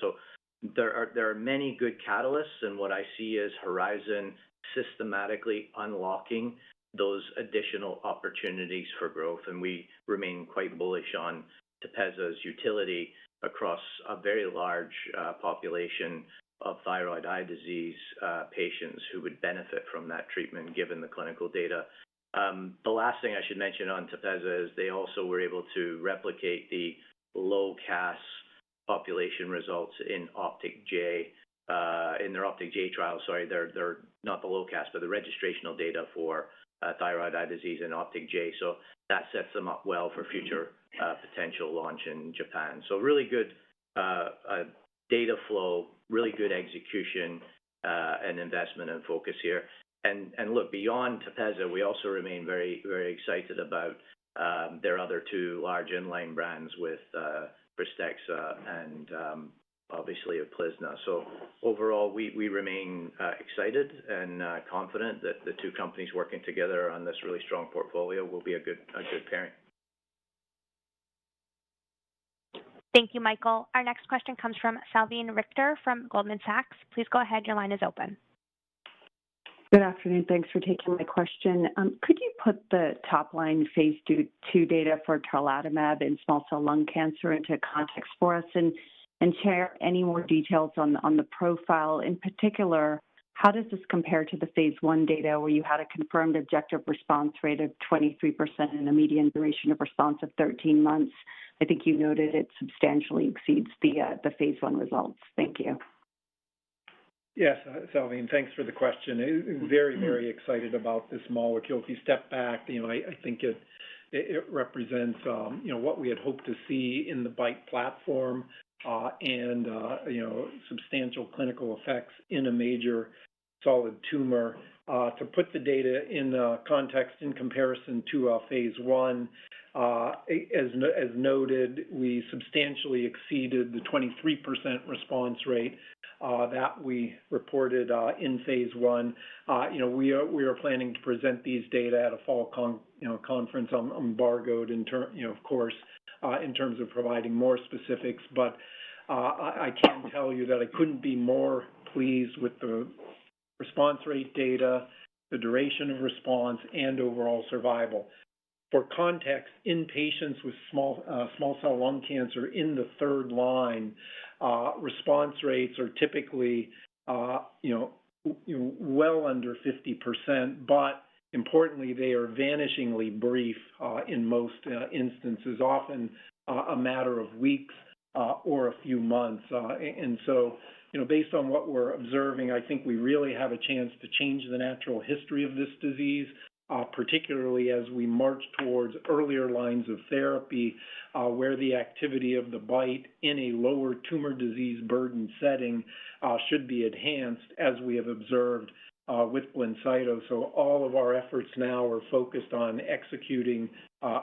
There are many good catalysts, and what I see is Horizon systematically unlocking those additional opportunities for growth, and we remain quite bullish on TEPEZZA's utility across a very large population of thyroid eye disease patients who would benefit from that treatment, given the clinical data. The last thing I should mention on TEPEZZA is they also were able to replicate the low CAS population results in OPTIC-J. In their OPTIC-J trial, sorry, their not the low CAS, but the registrational data for thyroid eye disease in OPTIC-J. That sets them up well for future potential launch in Japan. Really good data flow, really good execution and investment and focus here. Look, beyond TEPEZZA, we also remain very, very excited about their other two large in-line brands with Krystexxa and obviously UPLIZNA. Overall, we remain excited and confident that the two companies working together on this really strong portfolio will be a good, a good parent. Thank you, Michael. Our next question comes from Salveen Richter from Goldman Sachs. Please go ahead. Your line is open. Good afternoon. Thanks for taking my question. Could you put the top line phase II data for tarlatamab in small cell lung cancer into context for us and, and share any more details on the, on the profile? In particular, how does this compare to the phase I data, where you had a confirmed objective response rate of 23% and a median duration of response of 13 months? I think you noted it substantially exceeds the phase I results. Thank you. Yes, Salveen, thanks for the question. Very, very excited about this molecule. If you step back, you know, I, I think it, it, it represents, you know, what we had hoped to see in the BiTE platform, and, you know, substantial clinical effects in a major solid tumor. To put the data in the context in comparison to phase I, as noted, we substantially exceeded the 23% response rate that we reported in phase I. You know, we are, we are planning to present these data at a fall, you know, conference on, on bargained in term. You know, of course, in terms of providing more specifics. I, I can tell you that I couldn't be more pleased with the response rate data, the duration of response, and overall survival. For context, in patients with small, small cell lung cancer in the third line, response rates are typically, you know, well under 50%, but importantly, they are vanishingly brief, in most instances, often, a matter of weeks, or a few months. So, you know, based on what we're observing, I think we really have a chance to change the natural history of this disease, particularly as we march towards earlier lines of therapy, where the activity of the BiTE in a lower tumor disease burden setting, should be enhanced, as we have observed, with BLINCYTO. So all of our efforts now are focused on executing,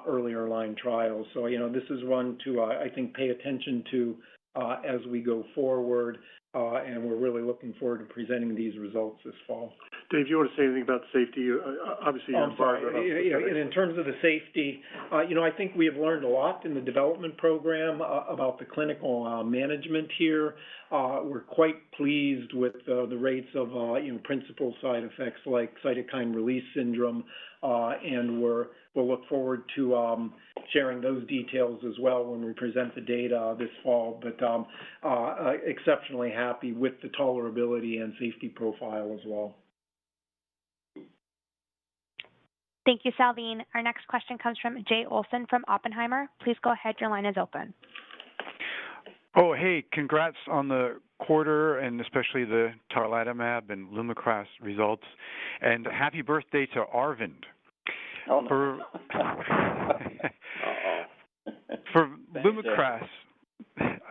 earlier line trials. You know, this is one to, I think, pay attention to, as we go forward, and we're really looking forward to presenting these results this fall. Dave, do you want to say anything about safety? Obviously, you're involved- In terms of the safety, you know, I think we have learned a lot in the development program about the clinical management here. We're quite pleased with the, the rates of, you know, principal side effects like cytokine release syndrome. And we'll look forward to sharing those details as well when we present the data this fall. Exceptionally happy with the tolerability and safety profile as well. Thank you, Salveen. Our next question comes from Jay Olson from Oppenheimer. Please go ahead. Your line is open. Oh, hey, congrats on the quarter, and especially the tarlatamab and LUMAKRAS results. Happy birthday to Arvind. Uh-uh. For LUMAKRAS...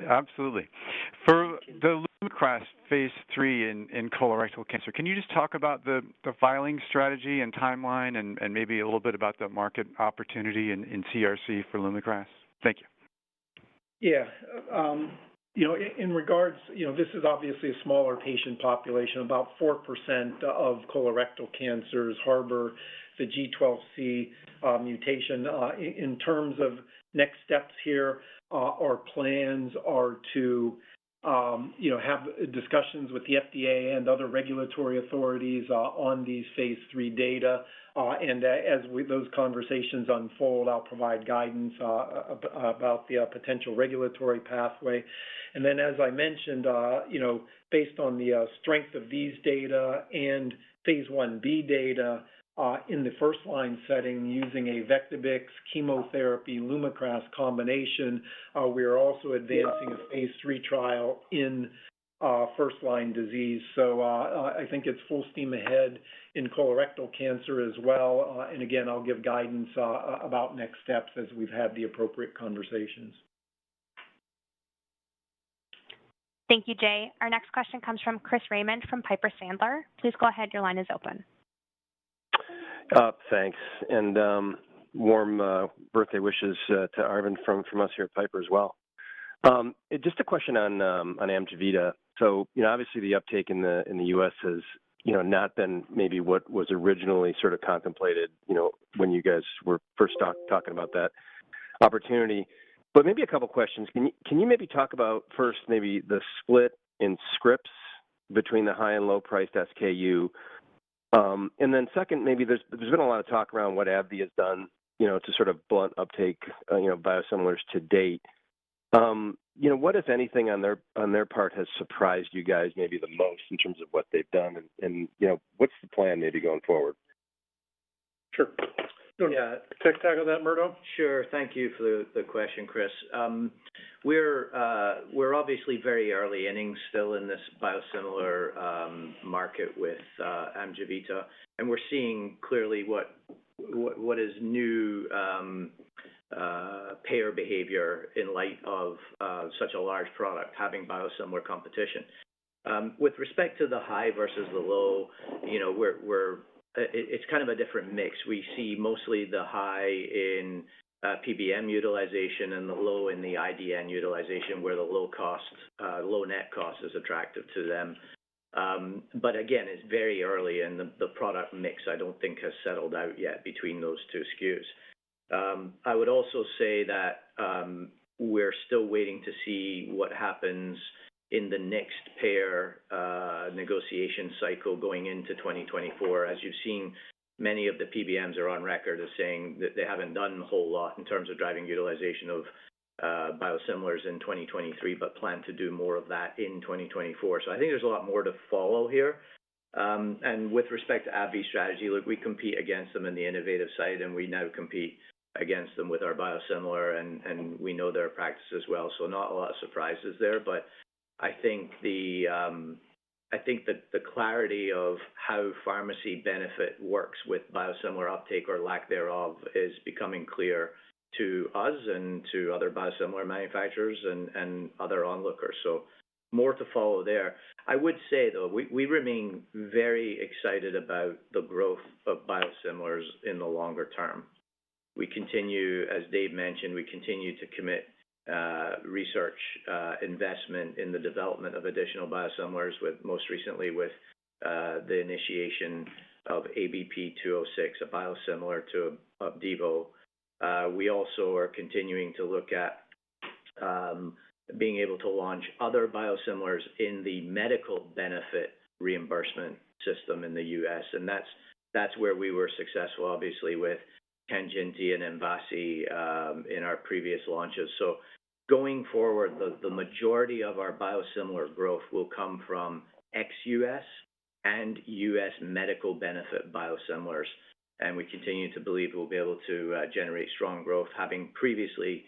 Absolutely. Thank you. For the LUMAKRAS phase III in, in colorectal cancer, can you just talk about the, the filing strategy and timeline and, and maybe a little bit about the market opportunity in, in CRC for LUMAKRAS? Thank you. Yeah, you know, in regards, you know, this is obviously a smaller patient population. About 4% of colorectal cancers harbor the G12C mutation. In terms of next steps here, our plans are to, you know, have discussions with the FDA and other regulatory authorities on the phase III data. As those conversations unfold, I'll provide guidance about the potential regulatory pathway. Then, as I mentioned, you know, based on the strength of these data and phase Ib data in the first-line setting, using a Vectibix chemotherapy, LUMAKRAS combination, we are also advancing... Yeah... a phase III trial in, first-line disease. I, I think it's full steam ahead in colorectal cancer as well. Again, I'll give guidance, about next steps as we've had the appropriate conversations. Thank you, Jay. Our next question comes from Chris Raymond from Piper Sandler. Please go ahead. Your line is open. Thanks, and warm birthday wishes to Arvind from, from us here at Piper as well. Just a question on AMGEVITA. You know, obviously the uptake in the, in the U.S. has, you know, not been maybe what was originally sort of contemplated, you know, when you guys were first talking about that opportunity. Maybe a couple questions. Can you, can you maybe talk about, first, maybe the split in scripts between the high and low priced SKU? Then second, maybe there's, there's been a lot of talk around what AbbVie has done, you know, to sort of blunt uptake, you know, biosimilars to date. You know, what, if anything, on their, on their part, has surprised you guys maybe the most in terms of what they've done and, and, you know, what's the plan maybe going forward? Sure. Yeah. Take tackle of that, Murdo? Sure. Thank you for the question, Chris. We're obviously very early innings still in this biosimilar market with AMGEVITA, and we're seeing clearly what, what, what is new payer behavior in light of such a large product having biosimilar competition. With respect to the high versus the low, you know, we're, it's kind of a different mix. We see mostly the high in PBM utilization and the low in the IDN utilization, where the low cost, low net cost is attractive to them. Again, it's very early, and the product mix, I don't think has settled out yet between those two SKUs. I would also say that we're still waiting to see what happens in the next payer negotiation cycle going into 2024. As you've seen, many of the PBMs are on record as saying that they haven't done a whole lot in terms of driving utilization of biosimilars in 2023. Plan to do more of that in 2024. I think there's a lot more to follow here. With respect to AbbVie's strategy, look, we compete against them in the innovative side, and we now compete against them with our biosimilar, and we know their practices well, so not a lot of surprises there. I think the, I think that the clarity of how pharmacy benefit works with biosimilar uptake or lack thereof, is becoming clear to us and to other biosimilar manufacturers and other onlookers, so more to follow there. I would say, though, we, we remain very excited about the growth of biosimilars in the longer term. We continue... as Dave mentioned, we continue to commit research investment in the development of additional biosimilars, with most recently with the initiation of ABP 206, a biosimilar to Opdivo. We also are continuing to look at being able to launch other biosimilars in the medical benefit reimbursement system in the U.S., and that's, that's where we were successful, obviously, with KANJINTI and MVASI, in our previous launches. Going forward, the, the majority of our biosimilar growth will come from ex-U.S. and U.S. medical benefit biosimilars, and we continue to believe we'll be able to generate strong growth, having previously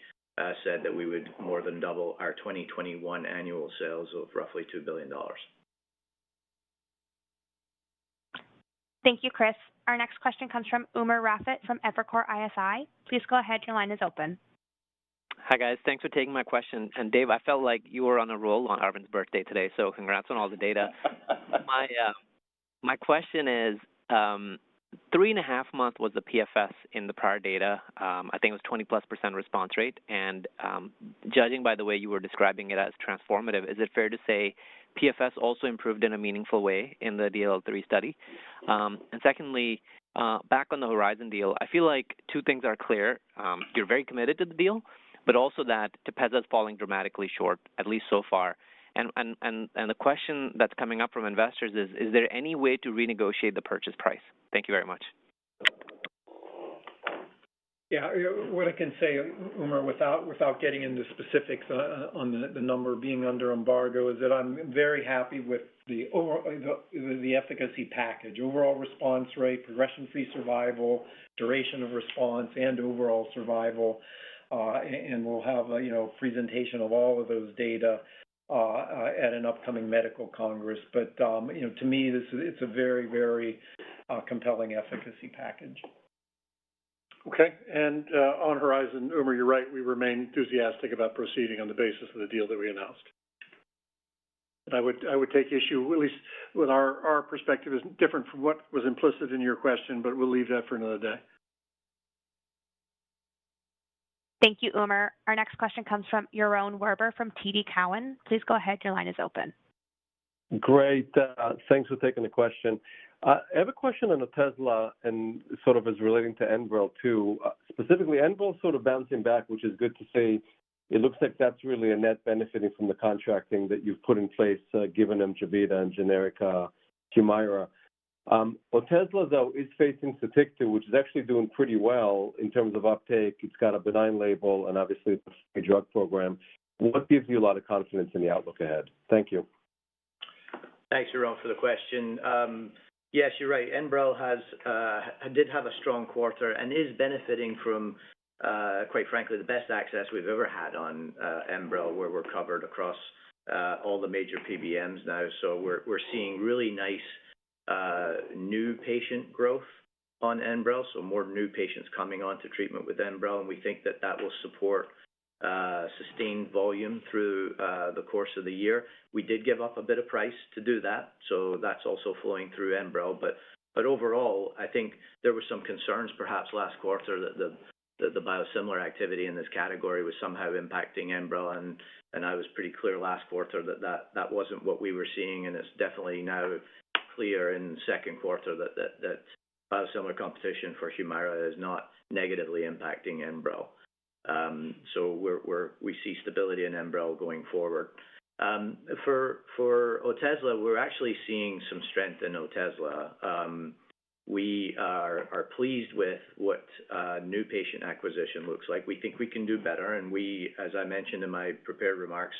said that we would more than double our 2021 annual sales of roughly $2 billion. Thank you, Chris. Our next question comes from Umer Raffat from Evercore ISI. Please go ahead. Your line is open. Hi, guys. Thanks for taking my question. Dave, I felt like you were on a roll on Arvind's birthday today, so congrats on all the data. My question is, 3.5 months was the PFS in the prior data. I think it was 20%+ response rate, judging by the way you were describing it as transformative, is it fair to say PFS also improved in a meaningful way in the DL3 study? Secondly, back on the Horizon deal, I feel like two things are clear. You're very committed to the deal, but also that TEPEZZA is falling dramatically short, at least so far. The question that's coming up from investors is: Is there any way to renegotiate the purchase price? Thank you very much. Yeah, what I can say, Umer, without, without getting into specifics on, on the, the number being under embargo, is that I'm very happy with the efficacy package, overall response rate, progression-free survival, duration of response, and overall survival. We'll have a, you know, presentation of all of those data at an upcoming medical congress. You know, to me, this is a very, very compelling efficacy package. Okay, on Horizon, Umer, you're right. We remain enthusiastic about proceeding on the basis of the deal that we announced. I would, I would take issue, at least with our, our perspective is different from what was implicit in your question, but we'll leave that for another day. Thank you, Umer. Our next question comes from Yaron Werber from TD Cowen. Please go ahead. Your line is open. Great. Thanks for taking the question. I have a question on Otezla and sort of as relating to Enbrel, too. Specifically, Enbrel sort of bouncing back, which is good to see. It looks like that's really a net benefiting from the contracting that you've put in place, given Entyvio and generic Humira. Otezla, though, is facing Sotyktu, which is actually doing pretty well in terms of uptake. It's got a benign label and obviously a drug program. What gives you a lot of confidence in the outlook ahead? Thank you. Thanks, Yaron, for the question. Yes, you're right. Enbrel has, did have a strong quarter and is benefiting from, quite frankly, the best access we've ever had on Enbrel, where we're covered across all the major PBMs now. We're, we're seeing really nice new patient growth on Enbrel, so more new patients coming onto treatment with Enbrel, and we think that that will support sustained volume through the course of the year. We did give up a bit of price to do that, so that's also flowing through Enbrel. Overall, I think there were some concerns, perhaps last quarter, that the, that the biosimilar activity in this category was somehow impacting Enbrel, and, and I was pretty clear last quarter that, that, that wasn't what we were seeing, and it's definitely now clear in the second quarter that, that, that biosimilar competition for Humira is not negatively impacting Enbrel. We're, we see stability in Enbrel going forward. For, for Otezla, we're actually seeing some strength in Otezla. We are pleased with what new patient acquisition looks like. We think we can do better, and we, as I mentioned in my prepared remarks,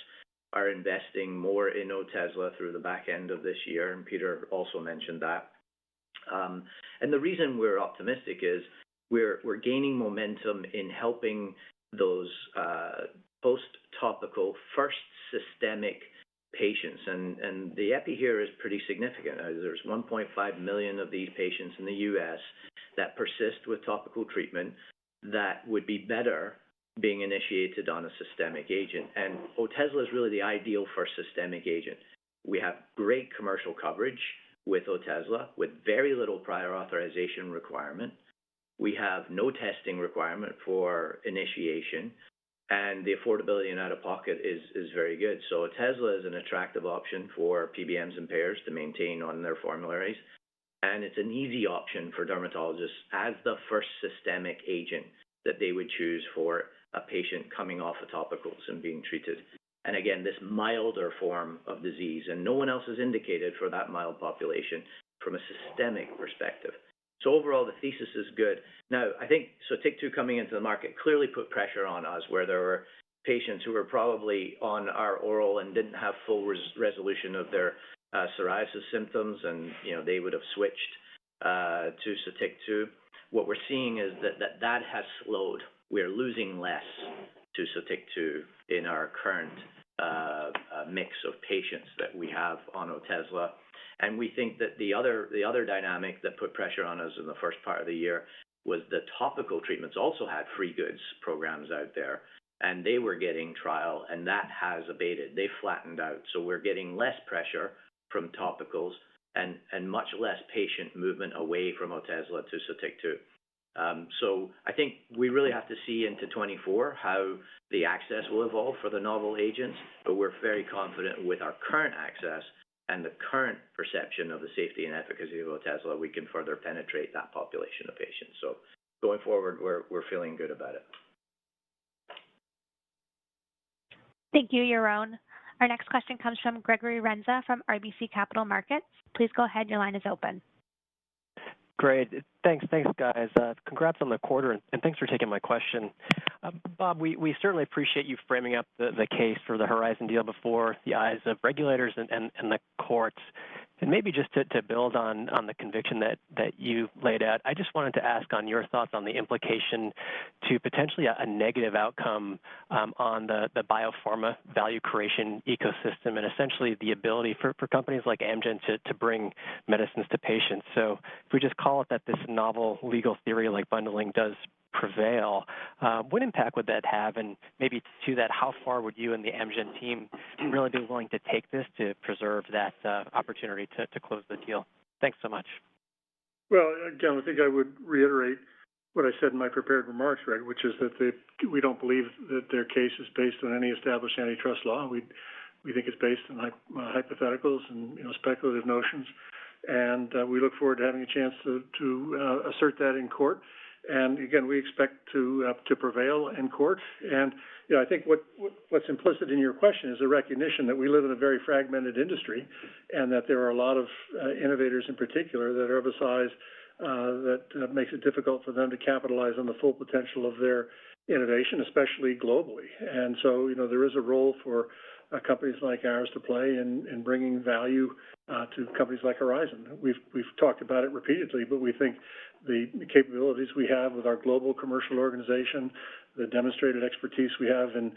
are investing more in Otezla through the back end of this year, and Peter also mentioned that. The reason we're optimistic is, we're gaining momentum in helping those post topical first systemic patients, and the epi here is pretty significant. There's 1.5 million of these patients in the U.S. that persist with topical treatment that would be better being initiated on a systemic agent, and Otezla is really the ideal for a systemic agent. We have great commercial coverage with Otezla, with very little prior authorization requirement. We have no testing requirement for initiation, and the affordability and out-of-pocket is very good. Otezla is an attractive option for PBMs and payers to maintain on their formularies, and it's an easy option for dermatologists as the first systemic agent that they would choose for a patient coming off of topicals and being treated. Again, this milder form of disease, and no one else is indicated for that mild population from a systemic perspective. Overall, the thesis is good. I think Sotyktu coming into the market clearly put pressure on us, where there were patients who were probably on our oral and didn't have full resolution of their psoriasis symptoms, and, you know, they would have switched to Sotyktu. What we're seeing is that, that has slowed. We're losing less to Sotyktu in our current mix of patients that we have on Otezla. We think that the other, the other dynamic that put pressure on us in the first part of the year was the topical treatments also had free goods programs out there, and they were getting trial, and that has abated. They flattened out, so we're getting less pressure from topicals and, and much less patient movement away from Otezla to Sotyktu. I think we really have to see into 2024 how the access will evolve for the novel agents, but we're very confident with our current access and the current perception of the safety and efficacy of Otezla, we can further penetrate that population of patients. Going forward, we're, we're feeling good about it. Thank you, Yaron. Our next question comes from Gregory Renza from RBC Capital Markets. Please go ahead. Your line is open. Great. Thanks. Thanks, guys. Congrats on the quarter, thanks for taking my question. Bob, we, we certainly appreciate you framing up the, the case for the Horizon deal before the eyes of regulators and, and, and the courts. Maybe just to, to build on, on the conviction that, that you laid out, I just wanted to ask on your thoughts on the implication to potentially a, a negative outcome on the, the biopharma value creation ecosystem, and essentially the ability for, for companies like Amgen to, to bring medicines to patients. If we just call it that this novel legal theory, like bundling, does prevail, what impact would that have? Maybe to that, how far would you and the Amgen team really be willing to take this to preserve that opportunity to, to close the deal? Thanks so much. Well, again, I think I would reiterate what I said in my prepared remarks, Greg, which is that we don't believe that their case is based on any established antitrust law. We, we think it's based on hypotheticals and, you know, speculative notions, we look forward to having a chance to assert that in court. Again, we expect to prevail in court. You know, I think what, what, what's implicit in your question is a recognition that we live in a very fragmented industry, and that there are a lot of innovators in particular, that are of a size that makes it difficult for them to capitalize on the full potential of their innovation, especially globally. You know, there is a role for companies like ours to play in, in bringing value to companies like Horizon. We've, we've talked about it repeatedly, but we think the capabilities we have with our global commercial organization, the demonstrated expertise we have in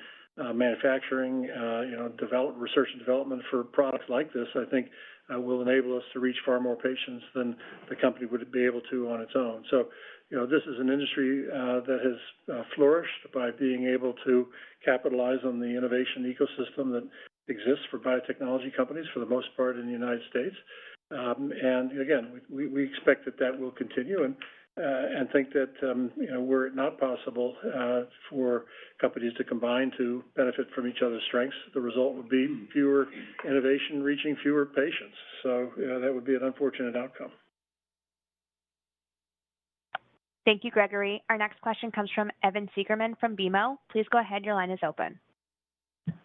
manufacturing, you know, develop- research and development for products like this, I think, will enable us to reach far more patients than the company would be able to on its own. You know, this is an industry that has flourished by being able to capitalize on the innovation ecosystem that exists for biotechnology companies, for the most part, in the United States. Again, we, we expect that that will continue and, and think that, you know, were it not possible, for companies to combine to benefit from each other's strengths, the result would be fewer innovation reaching fewer patients. You know, that would be an unfortunate outcome. Thank you, Gregory. Our next question comes from Evan Seigerman from BMO. Please go ahead. Your line is open.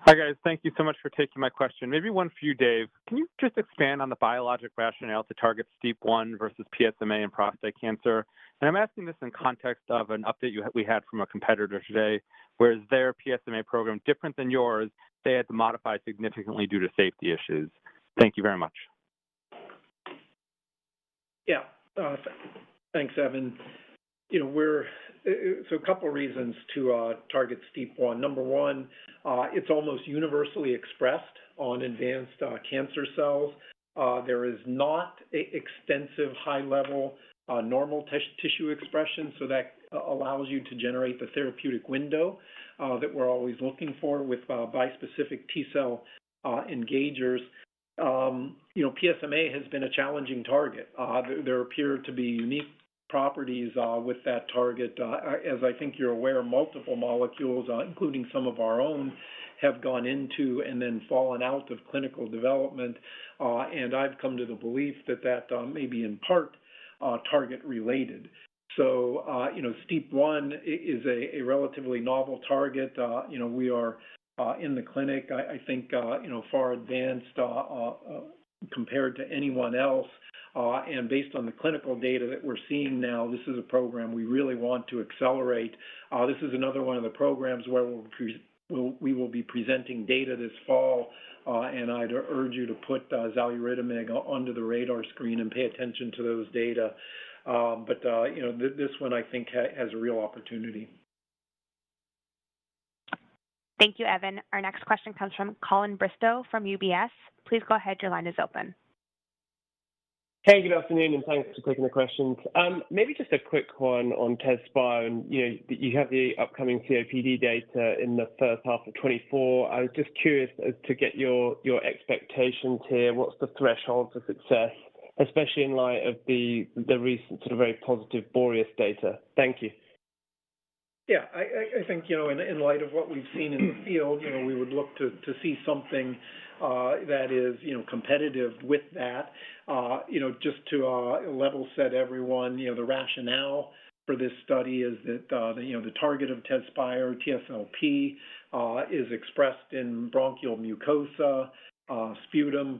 Hi, guys. Thank you so much for taking my question. Maybe one for you, Dave. Can you just expand on the biologic rationale to target STEAP1 versus PSMA in prostate cancer? I'm asking this in context of an update you- we had from a competitor today, where their PSMA program, different than yours, they had to modify significantly due to safety issues. Thank you very much. Yeah. thanks, Evan. You know, we're, so a couple reasons to target STEAP1. Number one, it's almost universally expressed on advanced cancer cells. There is not extensive high-level normal tissue expression, so that allows you to generate the therapeutic window that we're always looking for with bispecific T-cell engagers. You know, PSMA has been a challenging target. There appear to be unique properties with that target. As I think you're aware, multiple molecules, including some of our own, have gone into and then fallen out of clinical development, and I've come to the belief that that may be in part target related. You know, STEAP1 is a relatively novel target. You know, we are in the clinic, I, I think, you know, far advanced compared to anyone else, and based on the clinical data that we're seeing now, this is a program we really want to accelerate. This is another one of the programs where we'll we will be presenting data this fall, and I'd urge you to put xaluritamig onto the radar screen and pay attention to those data. You know, this one I think has a real opportunity. Thank you, Evan. Our next question comes from Colin Bristow from UBS. Please go ahead. Your line is open. Hey, good afternoon, thanks for taking the questions. Maybe just a quick one on TEZSPIRE. You know, you have the upcoming COPD data in the first half of 2024. I was just curious as to get your, your expectations here. What's the threshold for success, especially in light of the, the recent sort of very positive BOREAS data? Thank you. Yeah, I, I, I think, you know, in, in light of what we've seen in the field, you know, we would look to, to see something, that is, you know, competitive with that. You know, just to level set everyone, you know, the rationale for this study is that, you know, the target of TEZSPIRE, TSLP, is expressed in bronchial mucosa. Sputum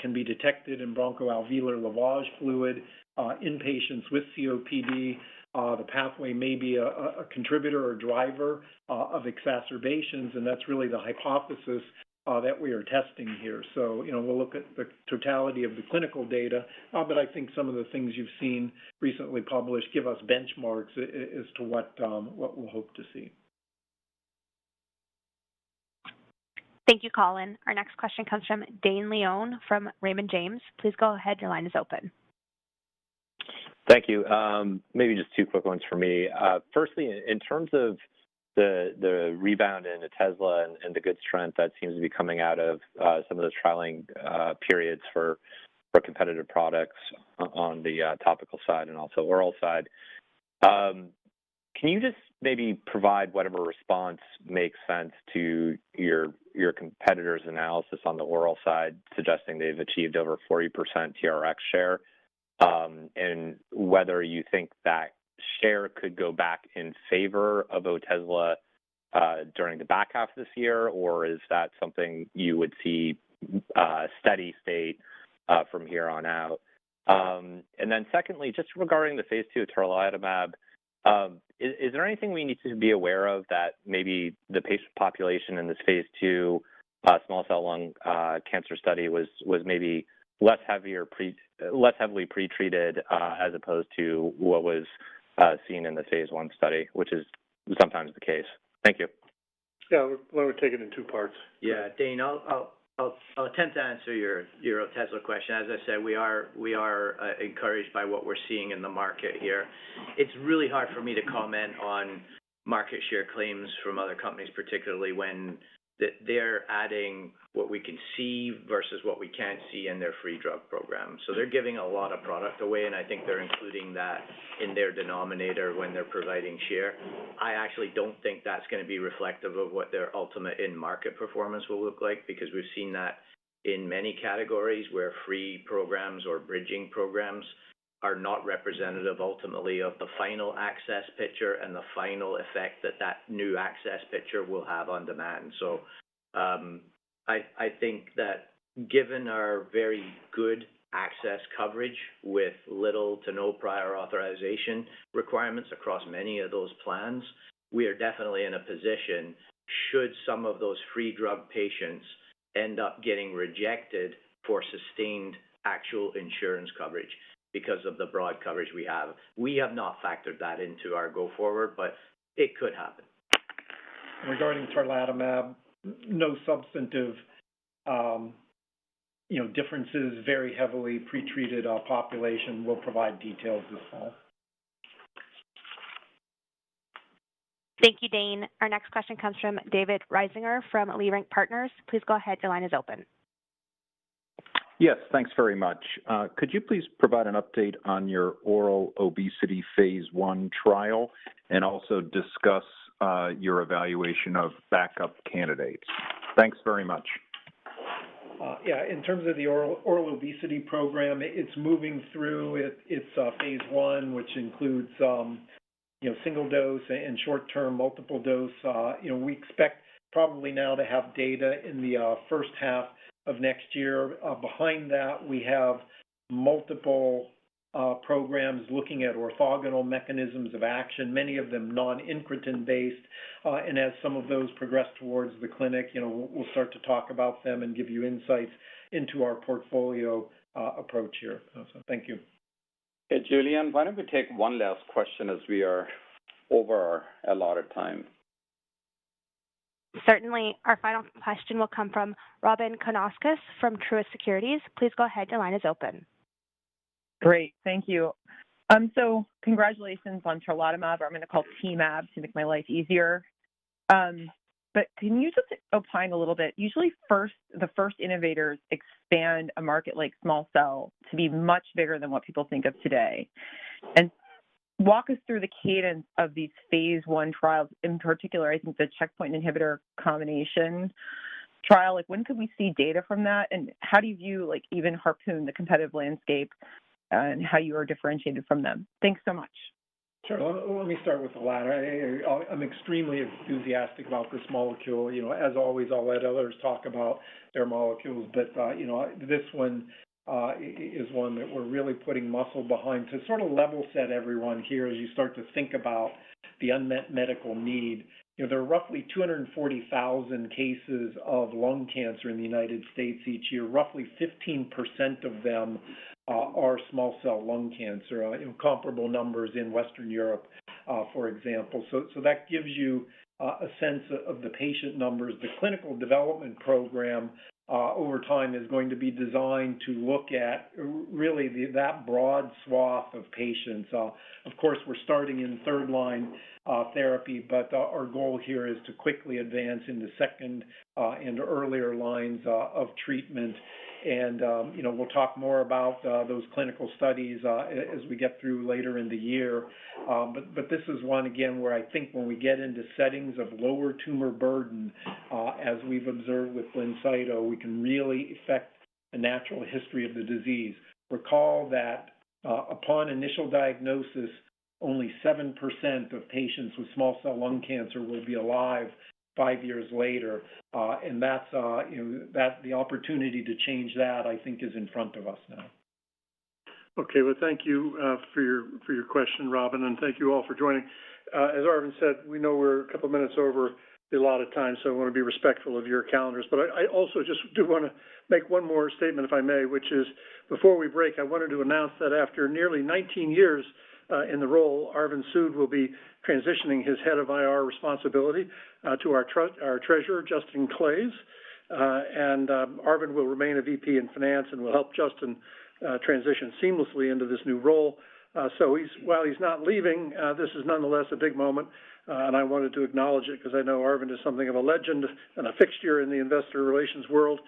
can be detected in bronchoalveolar lavage fluid in patients with COPD. The pathway may be a contributor or driver of exacerbations, and that's really the hypothesis that we are testing here. We'll look at the totality of the clinical data, but I think some of the things you've seen recently published give us benchmarks as to what we'll hope to see. Thank you, Colin. Our next question comes from Dane Leone from Raymond James. Please go ahead. Your line is open. Thank you. Maybe just two quick ones for me. Firstly, in terms of the rebound in Otezla and the good strength that seems to be coming out of some of those trialing periods for competitive products on the topical side and also oral side. Can you just maybe provide whatever response makes sense to your competitor's analysis on the oral side, suggesting they've achieved over 40% TRX share? Whether you think that share could go back in favor of Otezla during the back half of this year, or is that something you would see steady state from here on out? Then secondly, just regarding the phase II tarlatamab, is, is there anything we need to be aware of that maybe the patient population in this phase II small cell lung cancer study was, was maybe less heavier pre... less heavily pretreated, as opposed to what was seen in the phase I study, which is sometimes the case? Thank you. Yeah. Why don't we take it in two parts? Yeah, Dane, I'll, I'll, I'll, I'll attempt to answer your, your Otezla question. As I said, we are, we are encouraged by what we're seeing in the market here. It's really hard for me to comment on market share claims from other companies, particularly when they're adding what we can see versus what we can't see in their free drug program. They're giving a lot of product away, and I think they're including that in their denominator when they're providing share. I actually don't think that's gonna be reflective of what their ultimate end market performance will look like, because we've seen that in many categories where free programs or bridging programs are not representative ultimately of the final access picture and the final effect that that new access picture will have on demand. I, I think that given our very good access coverage with little to no prior authorization requirements across many of those plans, we are definitely in a position should some of those free drug patients end up getting rejected for sustained actual insurance coverage because of the broad coverage we have. We have not factored that into our go forward, but it could happen. Regarding tarlatamab, no substantive, you know, differences, very heavily pretreated our population. We'll provide details this fall. Thank you, Dane. Our next question comes from David Risinger, from Leerink Partners. Please go ahead. Your line is open. Yes, thanks very much. Could you please provide an update on your oral obesity phase I trial and also discuss your evaluation of backup candidates? Thanks very much. Yeah, in terms of the oral, oral obesity program, it's moving through. It, it's phase I, which includes, single dose and short-term multiple dose. We expect probably now to have data in the first half of next year. Behind that, we have multiple programs looking at orthogonal mechanisms of action, many of them non-incretin based. And as some of those progress towards the clinic, you know, we'll, we'll start to talk about them and give you insights into our portfolio approach here. So thank you. Hey, Julian, why don't we take one last question as we are over our allotted time? Certainly. Our final question will come from Robyn Karnauskas from Truist Securities. Please go ahead. Your line is open. Great. Thank you. Congratulations on tarlatamab, or I'm going to call it tmab to make my life easier. Can you just opine a little bit? Usually first, the first innovators expand a market like small cell to be much bigger than what people think of today. Walk us through the cadence of these phase I trials, in particular, I think the checkpoint inhibitor combination trial. When could we see data from that, and how do you view, even harpoon the competitive landscape, and how you are differentiated from them? Thanks so much. Sure. Let, let me start with the latter. I, I'm extremely enthusiastic about this molecule. You know, as always, I'll let others talk about their molecules, but, you know, this one is one that we're really putting muscle behind. To sort of level set everyone here as you start to think about the unmet medical need, you know, there are roughly 240,000 cases of lung cancer in the United States each year. Roughly 15% of them are small cell lung cancer, and comparable numbers in Western Europe. For example. That gives you a sense of the patient numbers. The clinical development program, over time is going to be designed to look at really that broad swath of patients. Of course, we're starting in third-line therapy, but our goal here is to quickly advance into second and earlier lines of treatment. You know, we'll talk more about those clinical studies as we get through later in the year. But this is one again, where I think when we get into settings of lower tumor burden, as we've observed with BLINCYTO, we can really affect the natural history of the disease. Recall that, upon initial diagnosis, only 7% of patients with small cell lung cancer will be alive five years later. That's, you know, that the opportunity to change that, I think, is in front of us now. Okay, well, thank you, for your, for your question, Robyn, and thank you all for joining. As Arvind said, we know we're a couple of minutes over the allotted time, so I wanna be respectful of your calendars. I also just do wanna make one more statement, if I may, which is, before we break, I wanted to announce that after nearly 19 years, in the role, Arvind Sood will be transitioning his head of IR responsibility, to our Treasurer, Justin Claes. Arvind will remain a VP in finance and will help Justin transition seamlessly into this new role. He's while he's not leaving, this is nonetheless a big moment, and I wanted to acknowledge it 'cause I know Arvind is something of a legend and a fixture in the investor relations world.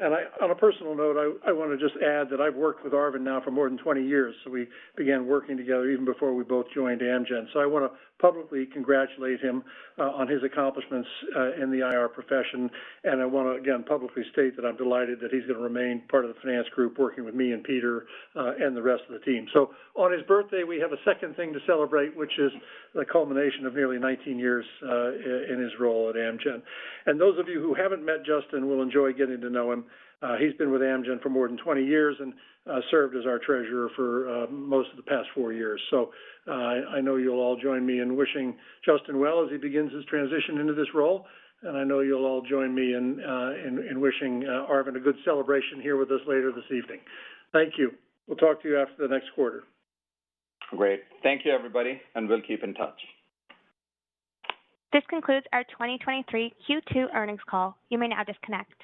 On a personal note, I, I wanna just add that I've worked with Arvind now for more than 20 years, so we began working together even before we both joined Amgen. I wanna publicly congratulate him on his accomplishments in the IR profession, and I wanna, again, publicly state that I'm delighted that he's gonna remain part of the finance group, working with me and Peter and the rest of the team. On his birthday, we have a second thing to celebrate, which is the culmination of nearly 19 years in his role at Amgen. Those of you who haven't met Justin will enjoy getting to know him. He's been with Amgen for more than 20 years and served as our treasurer for most of the past four years. I know you'll all join me in wishing Justin well as he begins his transition into this role, and I know you'll all join me in wishing Arvind a good celebration here with us later this evening. Thank you. We'll talk to you after the next quarter. Great. Thank you, everybody, and we'll keep in touch. This concludes our 2023 Q2 earnings call. You may now disconnect.